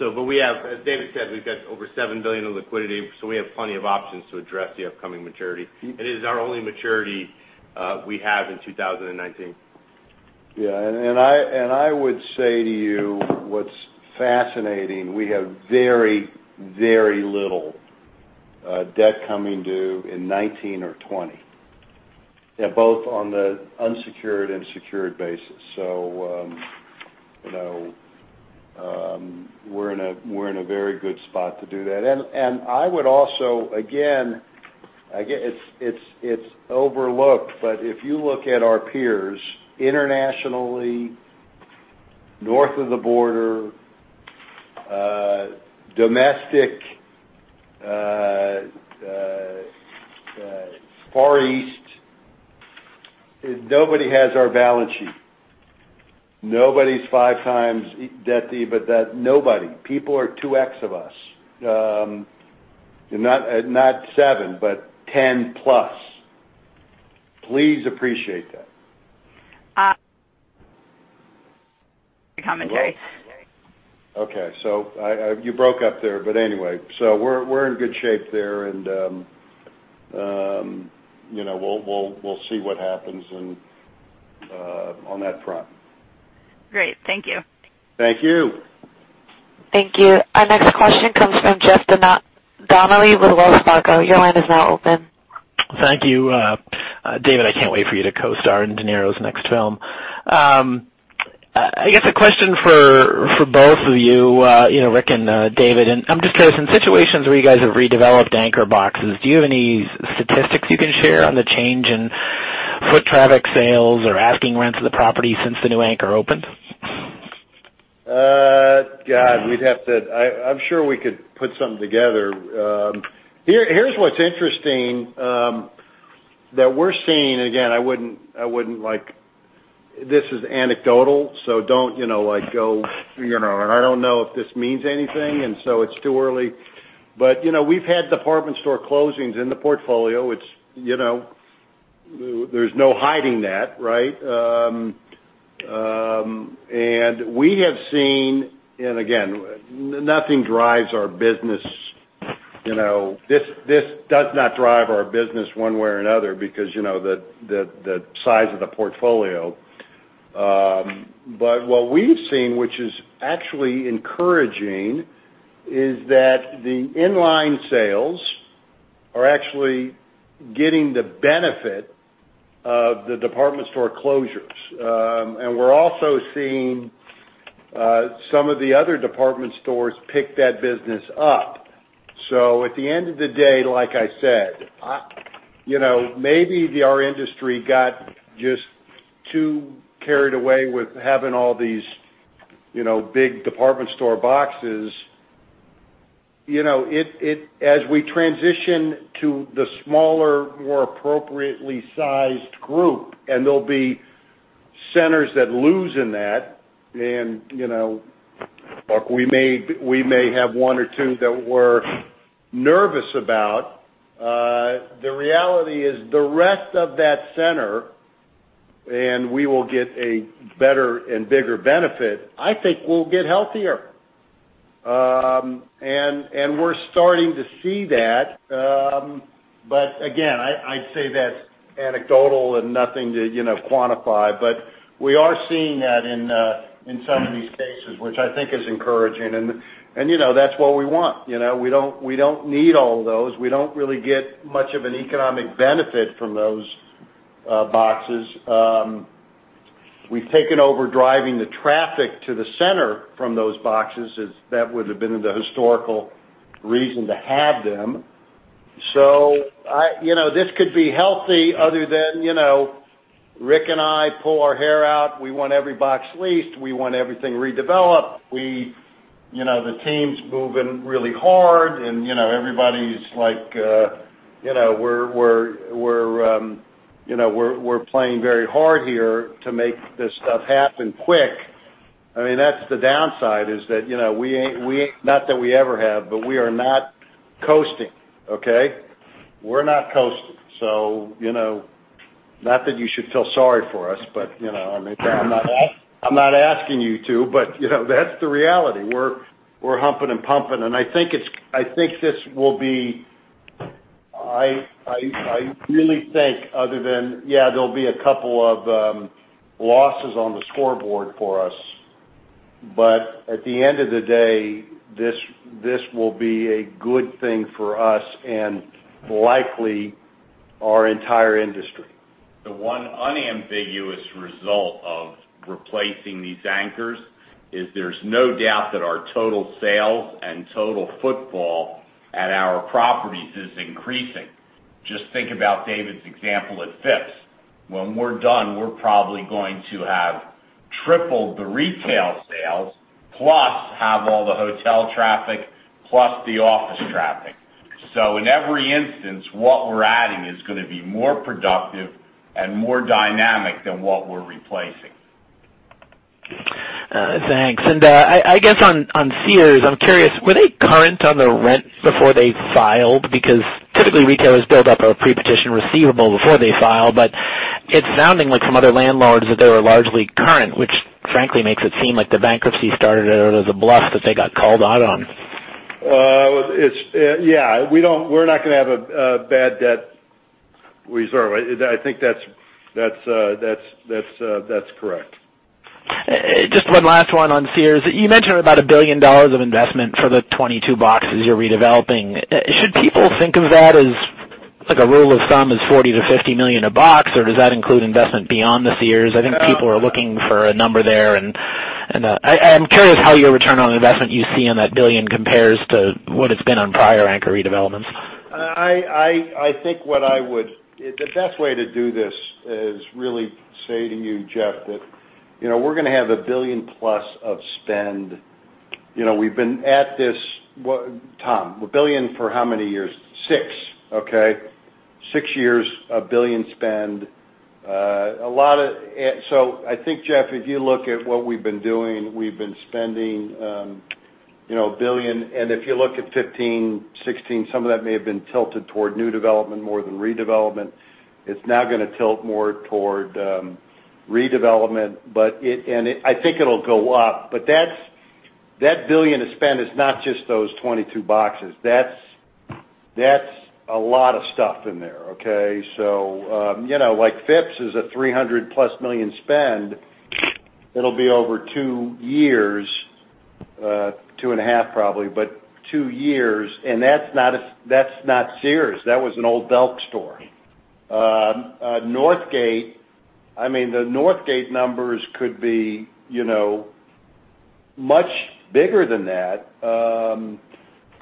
As David said, we've got over $7 billion in liquidity, we have plenty of options to address the upcoming maturity. It is our only maturity we have in 2019. I would say to you what's fascinating, we have very, very little debt coming due in 2019 or 2020, both on the unsecured and secured basis. We're in a very good spot to do that. I would also, again, it's overlooked, if you look at our peers internationally, north of the border, domestic, Far East, nobody has our balance sheet. Nobody's five times debt. Nobody. People are 2x of us. Not seven, 10 plus. Please appreciate that. Okay. You broke up there, anyway, we're in good shape there and we'll see what happens on that front. Great. Thank you. Thank you. Thank you. Our next question comes from Jeff Donnelly with Wells Fargo. Your line is now open. Thank you. David, I can't wait for you to co-star in De Niro's next film. I guess a question for both of you, Rick and David. I'm just curious, in situations where you guys have redeveloped anchor boxes, do you have any statistics you can share on the change in foot traffic sales or asking rents of the property since the new anchor opened? God, I'm sure we could put something together. Here's what's interesting. That we're seeing, again, this is anecdotal. Don't go, "I don't know if this means anything." It's too early. We've had department store closings in the portfolio. There's no hiding that, right? We have seen, and again, nothing drives our business. This does not drive our business one way or another because the size of the portfolio. What we've seen, which is actually encouraging, is that the inline sales are actually getting the benefit of the department store closures. We're also seeing some of the other department stores pick that business up. At the end of the day, like I said, maybe our industry got just too carried away with having all these big department store boxes. We transition to the smaller, more appropriately sized group, there'll be centers that lose in that. Look, we may have one or two that we're nervous about. The reality is the rest of that center, we will get a better and bigger benefit, I think we'll get healthier. We're starting to see that. Again, I'd say that's anecdotal and nothing to quantify, but we are seeing that in some of these cases, which I think is encouraging. That's what we want. We don't need all of those. We don't really get much of an economic benefit from those boxes. We've taken over driving the traffic to the center from those boxes, as that would have been the historical reason to have them. This could be healthy other than Rick and I pull our hair out. We want every box leased. We want everything redeveloped. The team's moving really hard, everybody's like we're playing very hard here to make this stuff happen quick. That's the downside, is that Not that we ever have, but we are not coasting, okay? We're not coasting. Not that you should feel sorry for us, but I'm not asking you to, but that's the reality. We're humping and pumping, I really think this will be other than, yeah, there'll be a couple of losses on the scoreboard for us. At the end of the day, this will be a good thing for us and likely our entire industry. The one unambiguous result of replacing these anchors is there's no doubt that our total sales and total footfall at our properties is increasing. Just think about David's example at Phipps. When we're done, we're probably going to have tripled the retail sales, plus have all the hotel traffic, plus the office traffic. In every instance, what we're adding is going to be more productive and more dynamic than what we're replacing. Thanks. I guess on Sears, I'm curious, were they current on the rent before they filed? Because typically, retailers build up a pre-petition receivable before they file, but it's sounding like some other landlords that they were largely current, which frankly makes it seem like the bankruptcy started as a bluff that they got called out on. Yeah. We're not going to have a bad debt reserve. I think that's correct. Just one last one on Sears. You mentioned about $1 billion of investment for the 22 boxes you're redeveloping. Should people think of that as like a rule of thumb as $40 million-$50 million a box, or does that include investment beyond the Sears? I think people are looking for a number there, and I'm curious how your return on investment you see on that $1 billion compares to what it's been on prior anchor redevelopments. The best way to do this is really say to you, Jeff, that we're going to have a $1 billion plus of spend. We've been at this, Tom, $1 billion for how many years? Six years of $1 billion spend. I think, Jeff, if you look at what we've been doing, we've been spending $1 billion. If you look at 2015, 2016, some of that may have been tilted toward new development more than redevelopment. It's now going to tilt more toward redevelopment. I think it'll go up. That $1 billion of spend is not just those 22 boxes. That's a lot of stuff in there, okay? Like Phipps is a $300 million-plus spend. It'll be over two years, two and a half probably, but two years, and that's not Sears. That was an old Belk store. Northgate, the Northgate numbers could be much bigger than that.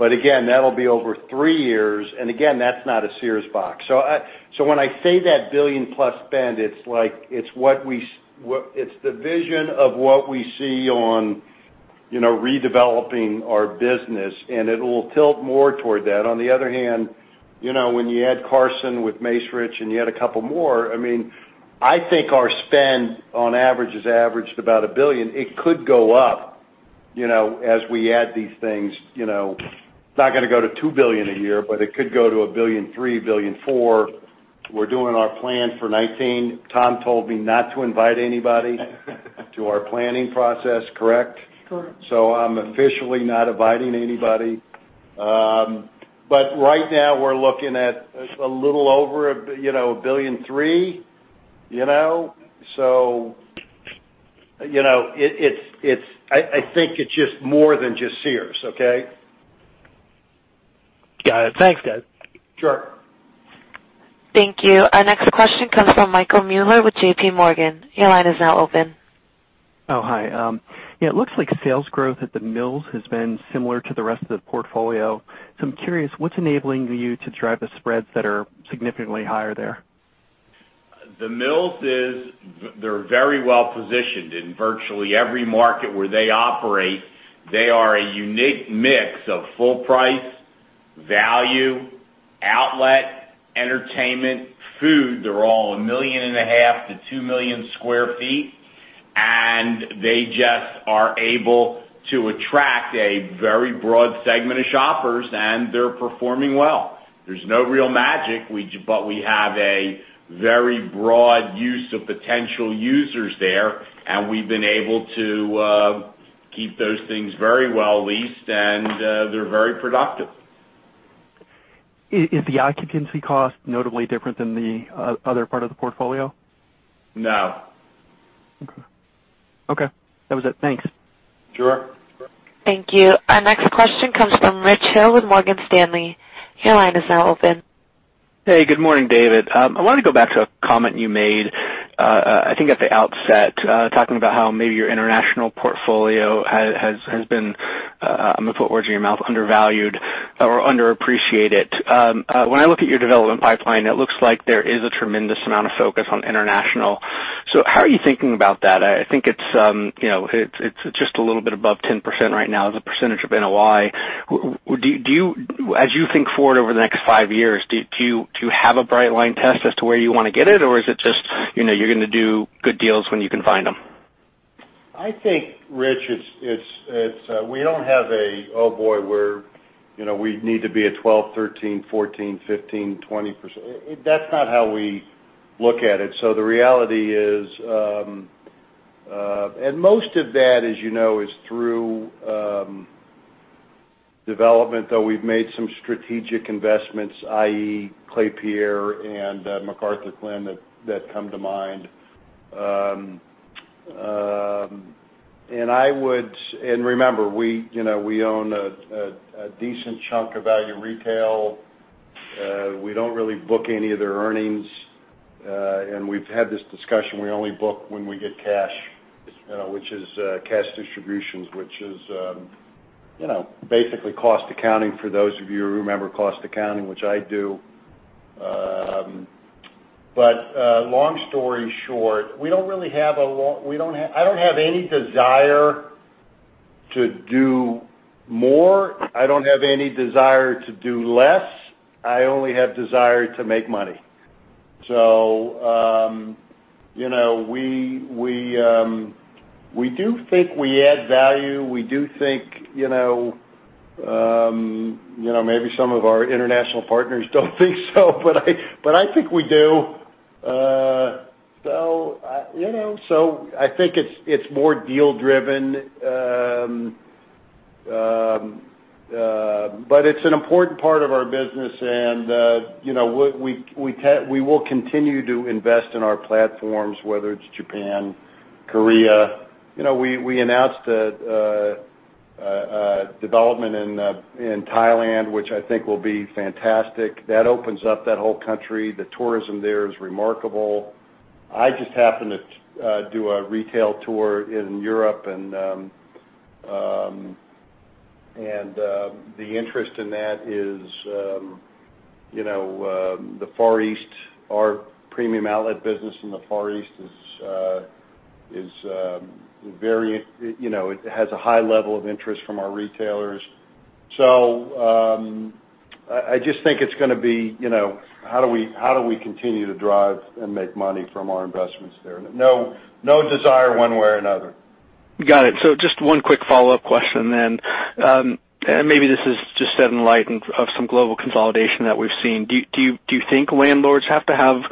Again, that'll be over three years. Again, that's not a Sears box. When I say that $1 billion-plus spend, it's the vision of what we see on redeveloping our business, and it will tilt more toward that. On the other hand, when you add Carson with Macerich and you add a couple more, I think our spend on average is averaged about $1 billion. It could go up, as we add these things. It's not going to go to $2 billion a year, but it could go to $1.3 billion, $1.4 billion. We're doing our plan for 2019. Tom told me not to invite anybody to our planning process. Correct? Correct. I'm officially not inviting anybody. Right now, we're looking at a little over $1.3 billion. I think it's just more than just Sears, okay? Got it. Thanks, guys. Sure. Thank you. Our next question comes from Michael Mueller with JPMorgan. Your line is now open. Hi. It looks like sales growth at The Mills has been similar to the rest of the portfolio. I'm curious, what's enabling you to drive the spreads that are significantly higher there? The Mills, they're very well positioned in virtually every market where they operate. They are a unique mix of full price, value, outlet, entertainment, food. They're all a million and a half to 2 million sq ft, and they just are able to attract a very broad segment of shoppers, and they're performing well. There's no real magic, but we have a very broad use of potential users there, and we've been able to keep those things very well leased, and they're very productive. Is the occupancy cost notably different than the other part of the portfolio? No. Okay. That was it. Thanks. Sure. Thank you. Our next question comes from Rich Hill with Morgan Stanley. Your line is now open. Hey, good morning, David. I wanted to go back to a comment you made, I think at the outset, talking about how maybe your international portfolio has been, I'm going to put words in your mouth, undervalued or underappreciated. When I look at your development pipeline, it looks like there is a tremendous amount of focus on international. How are you thinking about that? I think it's just a little bit above 10% right now as a percentage of NOI. As you think forward over the next five years, do you have a bright line test as to where you want to get it? Or is it just, you're going to do good deals when you can find them? I think, Rich, we don't have a, oh boy, we need to be at 12, 13, 14, 15, 20%. That's not how we look at it. The reality is, and most of that, as you know, is through development, though we've made some strategic investments, i.e., Klépierre and McArthurGlen that come to mind. Remember, we own a decent chunk of Value Retail. We don't really book any of their earnings. We've had this discussion. We only book when we get cash, which is cash distributions, which is basically cost accounting for those of you who remember cost accounting, which I do. Long story short, I don't have any desire to do more. I don't have any desire to do less. I only have desire to make money. We do think we add value. We do think maybe some of our international partners don't think so, but I think we do. I think it's more deal driven. It's an important part of our business, and we will continue to invest in our platforms, whether it's Japan, Korea. We announced a development in Thailand, which I think will be fantastic. That opens up that whole country. The tourism there is remarkable. I just happened to do a retail tour in Europe, and the interest in that is the Far East. Our premium outlet business in the Far East has a high level of interest from our retailers. I just think it's going to be, how do we continue to drive and make money from our investments there? No desire one way or another. Got it. Just one quick follow-up question then. Maybe this is just in light of some global consolidation that we've seen. Do you think landlords have to have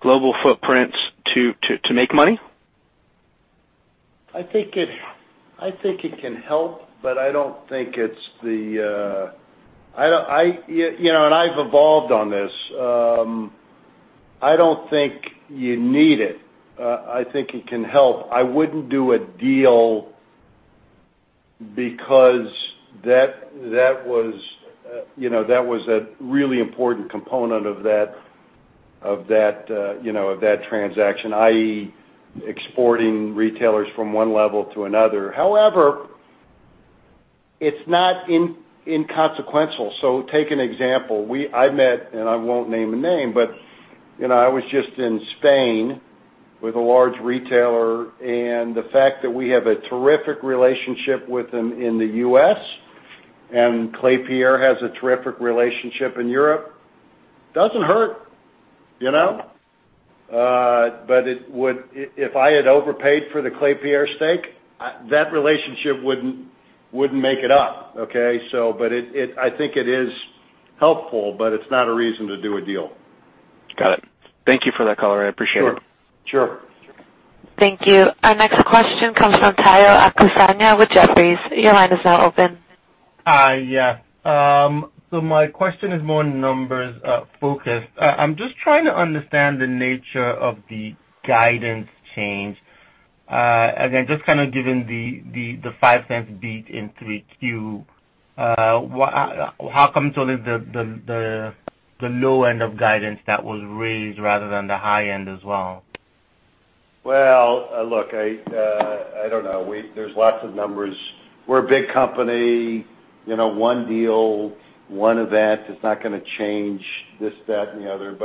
global footprints to make money? I think it can help, but I don't think it's the. I've evolved on this. I don't think you need it. I think it can help. I wouldn't do a deal because that was a really important component of that transaction, i.e., exporting retailers from one level to another. However, it's not inconsequential. Take an example. I met, and I won't name a name, but I was just in Spain with a large retailer, and the fact that we have a terrific relationship with them in the U.S. and Klépierre has a terrific relationship in Europe, doesn't hurt. But if I had overpaid for the Klépierre stake, that relationship wouldn't make it up. Okay, I think it is helpful, but it's not a reason to do a deal. Got it. Thank you for that clarity. I appreciate it. Sure. Thank you. Our next question comes from Omotayo Okusanya with Jefferies. Your line is now open. Hi. Yeah. My question is more numbers focused. I'm just trying to understand the nature of the guidance change. Again, just kind of given the $0.05 beat in 3Q. How come the low end of guidance that was raised rather than the high end as well? Well, look, I don't know. There's lots of numbers. We're a big company. One deal, one event, it's not going to change this, that, and the other.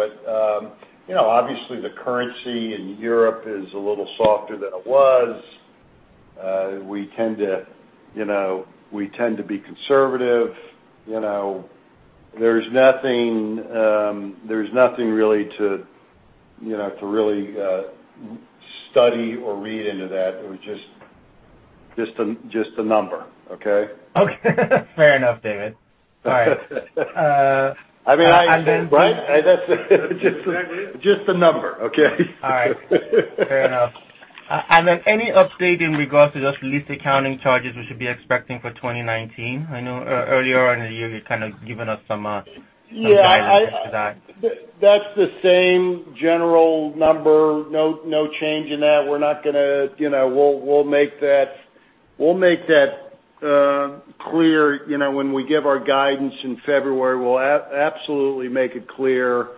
Obviously, the currency in Europe is a little softer than it was. We tend to be conservative. There's nothing really to really study or read into that. It was just the number. Okay? Okay. Fair enough, David. All right. I mean, right. That's just a number. Okay? All right. Fair enough. Any update in regards to just lease accounting charges we should be expecting for 2019? I know earlier in the year you kind of given us some guidance as to that. That's the same general number. No change in that. We'll make that clear when we give our guidance in February. We'll absolutely make it clear.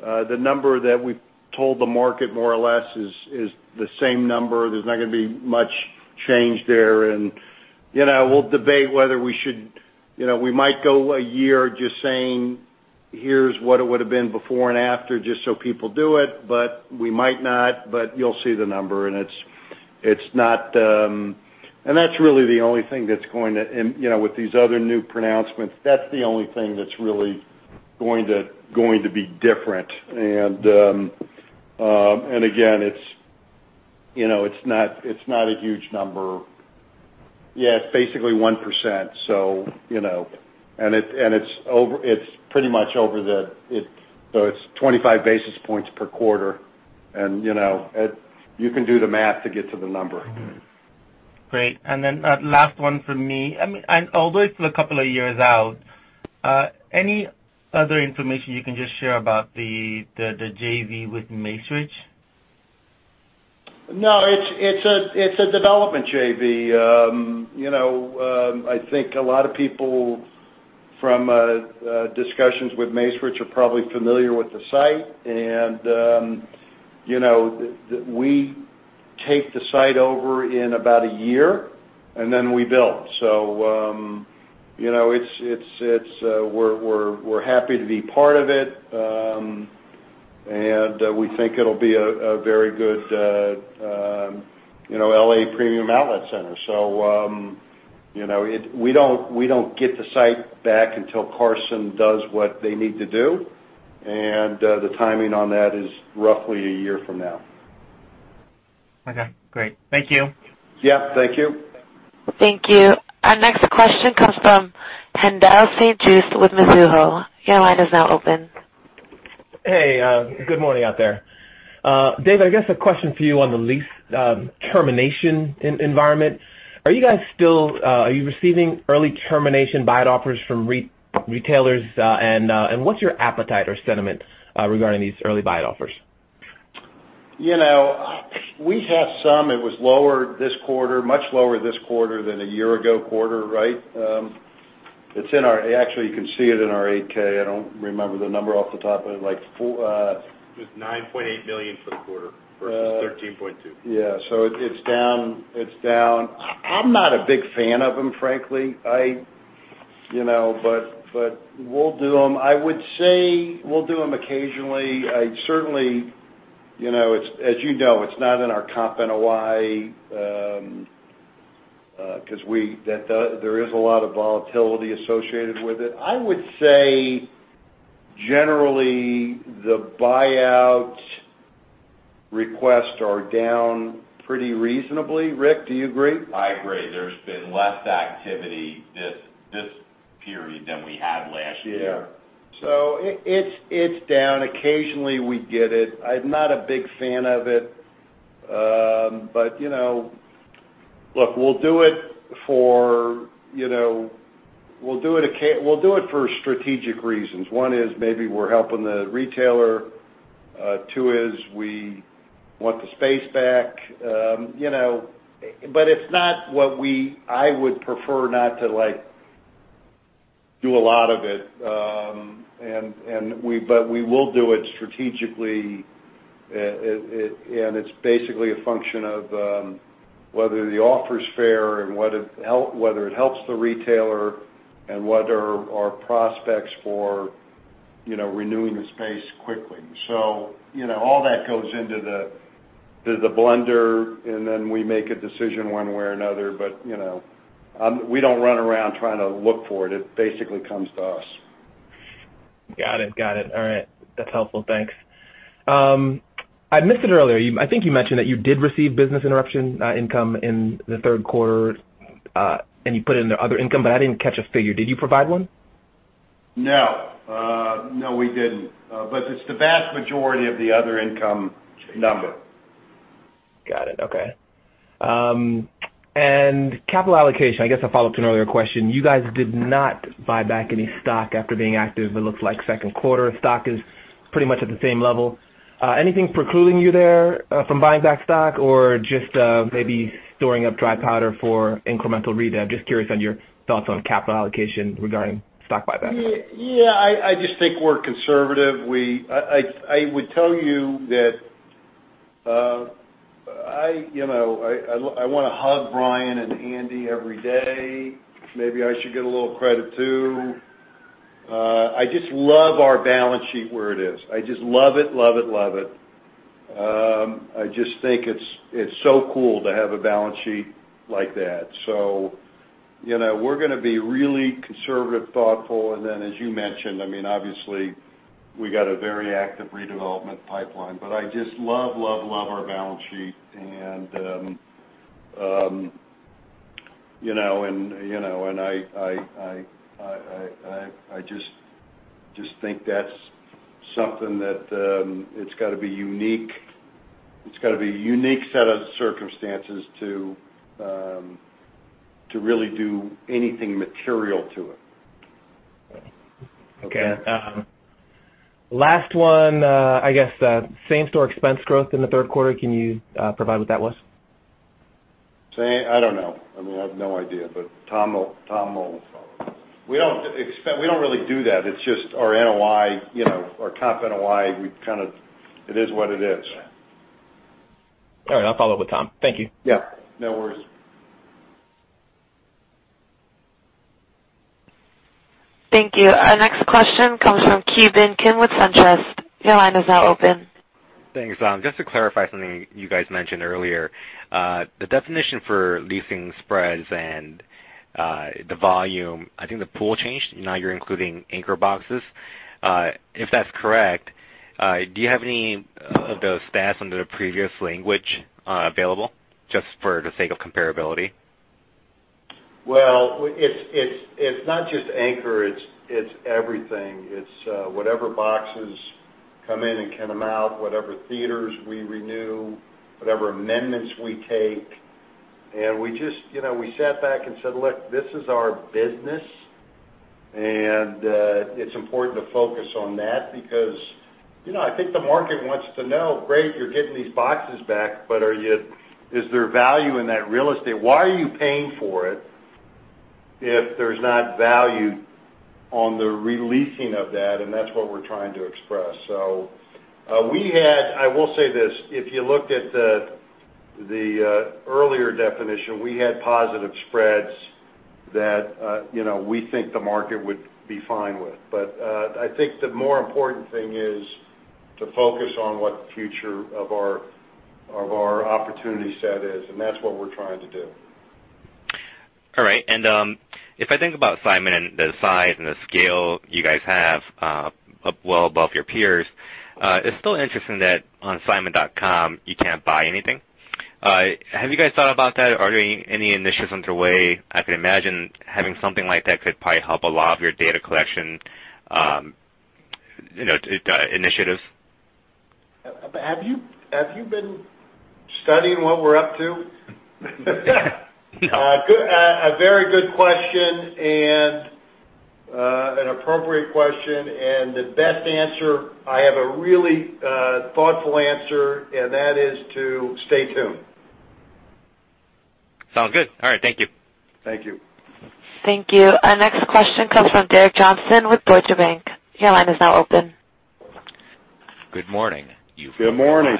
The number that we've told the market more or less is the same number. There's not going to be much change there. We'll debate whether we might go a year just saying, here's what it would've been before and after, just so people do it, but we might not. You'll see the number. That's really the only thing. With these other new pronouncements, that's the only thing that's really going to be different. Again, it's not a huge number yet. Basically 1%. It's pretty much over the it's 25 basis points per quarter. You can do the math to get to the number. Great. Then last one from me. Although it's a couple of years out, any other information you can just share about the JV with Macerich? No, it's a development JV. I think a lot of people from discussions with Macerich are probably familiar with the site. We take the site over in about a year, then we build. We're happy to be part of it. We think it'll be a very good L.A. premium outlet center. We don't get the site back until Carson does what they need to do, and the timing on that is roughly a year from now. Okay, great. Thank you. Yeah, thank you. Thank you. Our next question comes from Haendel St. Juste with Mizuho. Your line is now open. Hey, good morning out there. David, I guess a question for you on the lease termination environment. Are you guys still receiving early termination buy-out offers from retailers? What's your appetite or sentiment regarding these early buy-out offers? We have some. It was lower this quarter, much lower this quarter than a year ago quarter, right? Actually, you can see it in our 8-K. I don't remember the number off the top of my head. It was $9.8 million for the quarter versus $13.2 million. It's down. I'm not a big fan of them, frankly. We'll do them. I would say we'll do them occasionally. You know, it's not in our comp NOI, because there is a lot of volatility associated with it. I would say generally the buy-out requests are down pretty reasonably. Rick, do you agree? I agree. There's been less activity this period than we had last year. It's down. Occasionally we get it. I'm not a big fan of it. Look, we'll do it for strategic reasons. One is maybe we're helping the retailer, two is we want the space back. It's not what I would prefer not to do a lot of it. We will do it strategically, and it's basically a function of whether the offer's fair and whether it helps the retailer, and what are our prospects for renewing the space quickly. All that goes into the blender, and then we make a decision one way or another. We don't run around trying to look for it. It basically comes to us. Got it. All right. That's helpful. Thanks. I missed it earlier. I think you mentioned that you did receive business interruption income in the third quarter, and you put it in the other income, but I didn't catch a figure. Did you provide one? No, we didn't. It's the vast majority of the other income number. Got it. Okay. Capital allocation, I guess a follow-up to an earlier question. You guys did not buy back any stock after being active, it looks like second quarter. Stock is pretty much at the same level. Anything precluding you there from buying back stock or just maybe storing up dry powder for incremental redev? Just curious on your thoughts on capital allocation regarding stock buyback. Yeah. I just think we're conservative. I would tell you that I want to hug Brian and Andy every day. Maybe I should get a little credit too. I just love our balance sheet where it is. I just love it. I just think it's so cool to have a balance sheet like that. We're going to be really conservative, thoughtful, and then, as you mentioned, obviously, we got a very active redevelopment pipeline. I just love our balance sheet, and I just think that's something that it's got to be a unique set of circumstances to really do anything material to it. Okay. Last one. I guess, same-store expense growth in the third quarter, can you provide what that was? I don't know. I have no idea. Tom will follow up. We don't really do that. It's just our NOI, our comp NOI, it is what it is. All right. I'll follow up with Tom. Thank you. Yeah. No worries. Thank you. Our next question comes from Ki Bin Kim with SunTrust. Your line is now open. Thanks. Just to clarify something you guys mentioned earlier. The definition for leasing spreads and the volume, I think the pool changed. Now you're including anchor boxes. If that's correct, do you have any of those stats under the previous language available, just for the sake of comparability? Well, it's not just anchor, it's everything. It's whatever boxes come in and come out, whatever theaters we renew, whatever amendments we take. We sat back and said, "Look, this is our business," and it's important to focus on that because, I think the market wants to know, great, you're getting these boxes back, but is there value in that real estate? Why are you paying for it if there's not value on the re-leasing of that? That's what we're trying to express. I will say this. If you looked at the earlier definition, we had positive spreads that we think the market would be fine with. I think the more important thing is to focus on what the future of our opportunity set is, and that's what we're trying to do. All right. If I think about Simon and the size and the scale you guys have well above your peers, it's still interesting that on simon.com you can't buy anything. Have you guys thought about that? Are there any initiatives underway? I could imagine having something like that could probably help a lot of your data collection initiatives. Have you been studying what we're up to? No. A very good question, and an appropriate question. The best answer, I have a really thoughtful answer, and that is to stay tuned. Sounds good. All right. Thank you. Thank you. Thank you. Our next question comes from Derek Johnson with Deutsche Bank. Your line is now open. Good morning. You can go ahead. Good morning.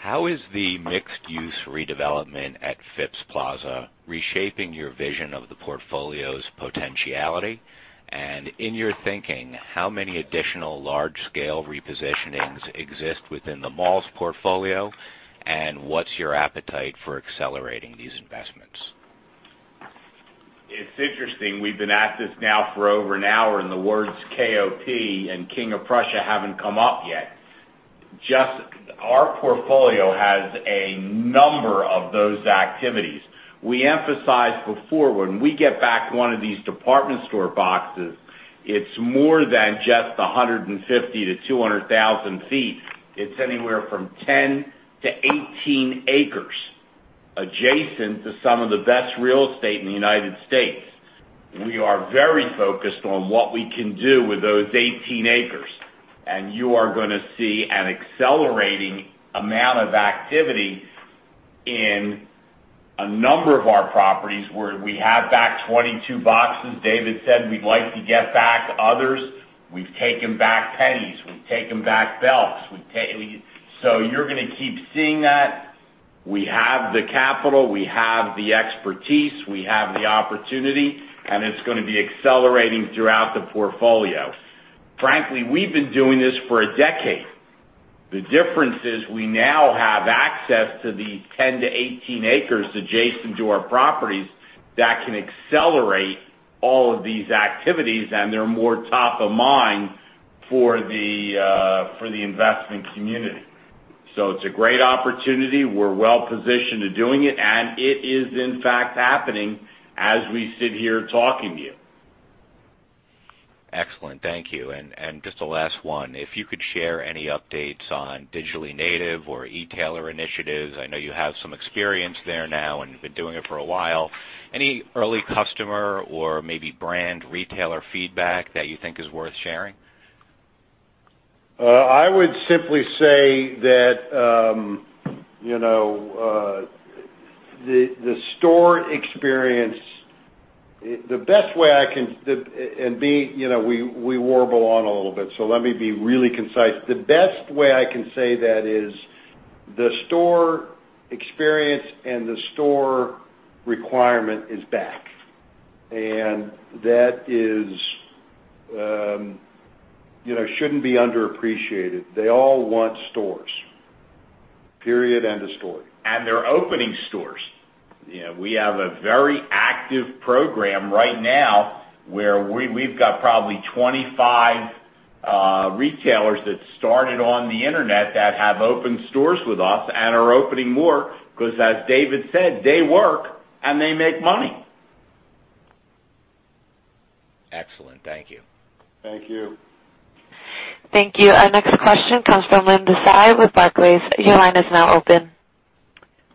How is the mixed-use redevelopment at Phipps Plaza reshaping your vision of the portfolio's potentiality? In your thinking, how many additional large-scale repositionings exist within the malls portfolio, and what's your appetite for accelerating these investments? It's interesting. The words KOP and King of Prussia haven't come up yet. Our portfolio has a number of those activities. We emphasized before, when we get back one of these department store boxes, it's more than just the 150,000 to 200,000 feet. It's anywhere from 10 to 18 acres adjacent to some of the best real estate in the United States. We are very focused on what we can do with those 18 acres. You are going to see an accelerating amount of activity In a number of our properties where we have back 22 boxes, David said we'd like to get back others. We've taken back Penneys, we've taken back Belks. You're going to keep seeing that. We have the capital, we have the expertise, we have the opportunity. It's going to be accelerating throughout the portfolio. Frankly, we've been doing this for a decade. The difference is we now have access to these 10 to 18 acres adjacent to our properties that can accelerate all of these activities. They're more top of mind for the investment community. It's a great opportunity. We're well positioned to doing it, and it is in fact happening as we sit here talking to you. Excellent. Thank you. Just a last one, if you could share any updates on digitally native or e-tailer initiatives, I know you have some experience there now. You've been doing it for a while. Any early customer or maybe brand retailer feedback that you think is worth sharing? I would simply say that the store experience, we warble on a little bit. Let me be really concise. The best way I can say that is the store experience and the store requirement is back. That shouldn't be underappreciated. They all want stores. Period, end of story. They're opening stores. We have a very active program right now where we've got probably 25 retailers that started on the internet that have opened stores with us and are opening more because, as David said, they work and they make money. Excellent. Thank you. Thank you. Thank you. Our next question comes from Linda Tsai with Barclays. Your line is now open.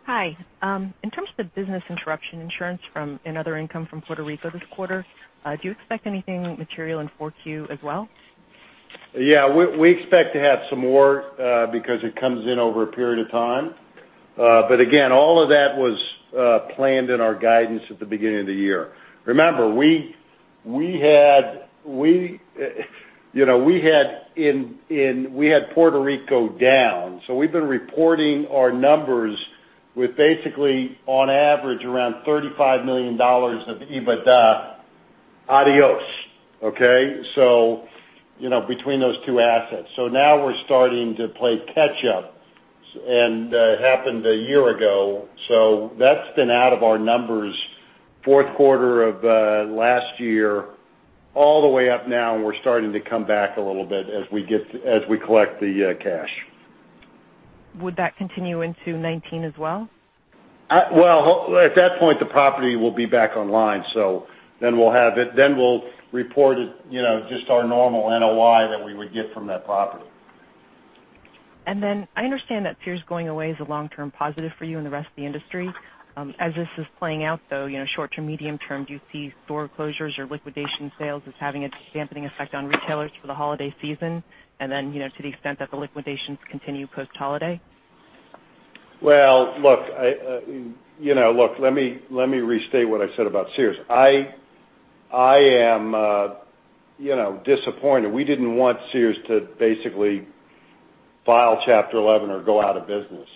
Hi. In terms of the business interruption insurance from another income from Puerto Rico this quarter, do you expect anything material in 4Q as well? Yeah, we expect to have some more because it comes in over a period of time. Again, all of that was planned in our guidance at the beginning of the year. Remember, we had Puerto Rico down, so we've been reporting our numbers with basically, on average, around $35 million of EBITDA adios, okay? Between those two assets. Now we're starting to play catch up, and it happened a year ago. That's been out of our numbers fourth quarter of last year all the way up now, and we're starting to come back a little bit as we collect the cash. Would that continue into 2019 as well? Well, at that point, the property will be back online. We'll report it, just our normal NOI that we would get from that property. I understand that Sears going away is a long-term positive for you and the rest of the industry. As this is playing out, though, short-term, medium-term, do you see store closures or liquidation sales as having a dampening effect on retailers for the holiday season, and to the extent that the liquidations continue post-holiday? Well, look, let me restate what I said about Sears. I am disappointed. We didn't want Sears to basically file Chapter 11 or go out of business.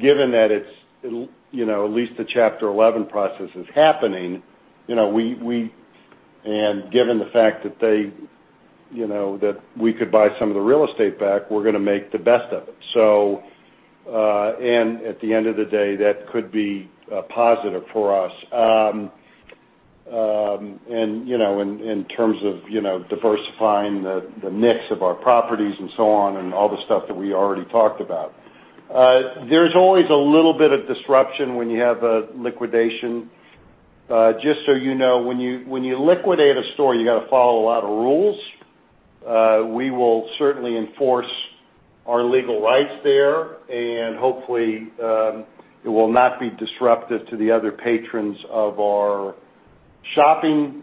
Given that at least the Chapter 11 process is happening, and given the fact that we could buy some of the real estate back, we're going to make the best of it. At the end of the day, that could be a positive for us. In terms of diversifying the mix of our properties and so on, and all the stuff that we already talked about. There's always a little bit of disruption when you have a liquidation. Just so you know, when you liquidate a store, you got to follow a lot of rules. We will certainly enforce our legal rights there, and hopefully, it will not be disruptive to the other patrons of our shopping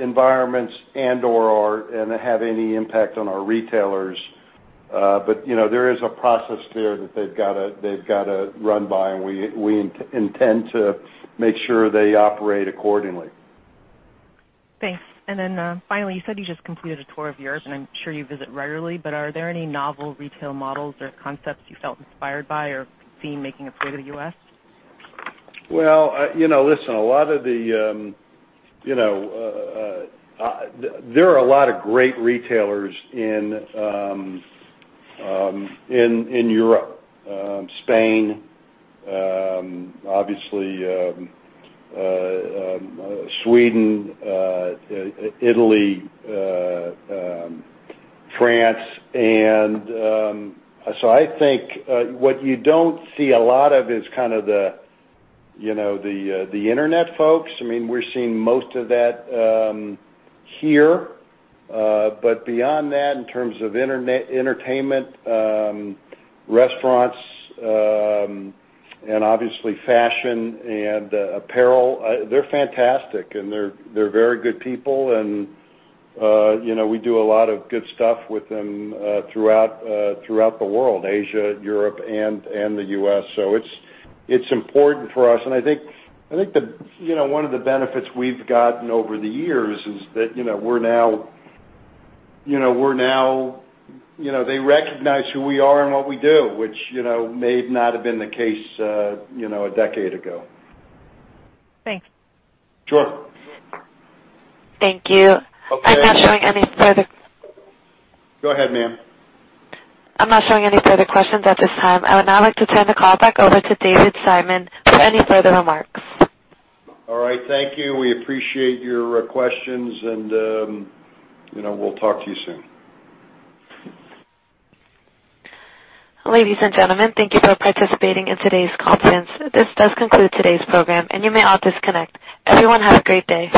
environments and/or have any impact on our retailers. There is a process there that they've got to run by, and we intend to make sure they operate accordingly. Thanks. Finally, you said you just completed a tour of Europe, and I'm sure you visit regularly, but are there any novel retail models or concepts you felt inspired by or seen making its way to the U.S.? Well, listen, there are a lot of great retailers in Europe, Spain obviously, Sweden, Italy, France. I think what you don't see a lot of is kind of the internet folks. We're seeing most of that here. Beyond that, in terms of entertainment, restaurants, and obviously fashion and apparel, they're fantastic, and they're very good people, and we do a lot of good stuff with them throughout the world, Asia, Europe, and the U.S. It's important for us, and I think one of the benefits we've gotten over the years is that they recognize who we are and what we do, which may not have been the case a decade ago. Thanks. Sure. Thank you. Okay. I'm not showing any further Go ahead, ma'am. I'm not showing any further questions at this time. I would now like to turn the call back over to David Simon for any further remarks. All right. Thank you. We appreciate your questions, and we'll talk to you soon. Ladies and gentlemen, thank you for participating in today's conference. This does conclude today's program, and you may all disconnect. Everyone, have a great day.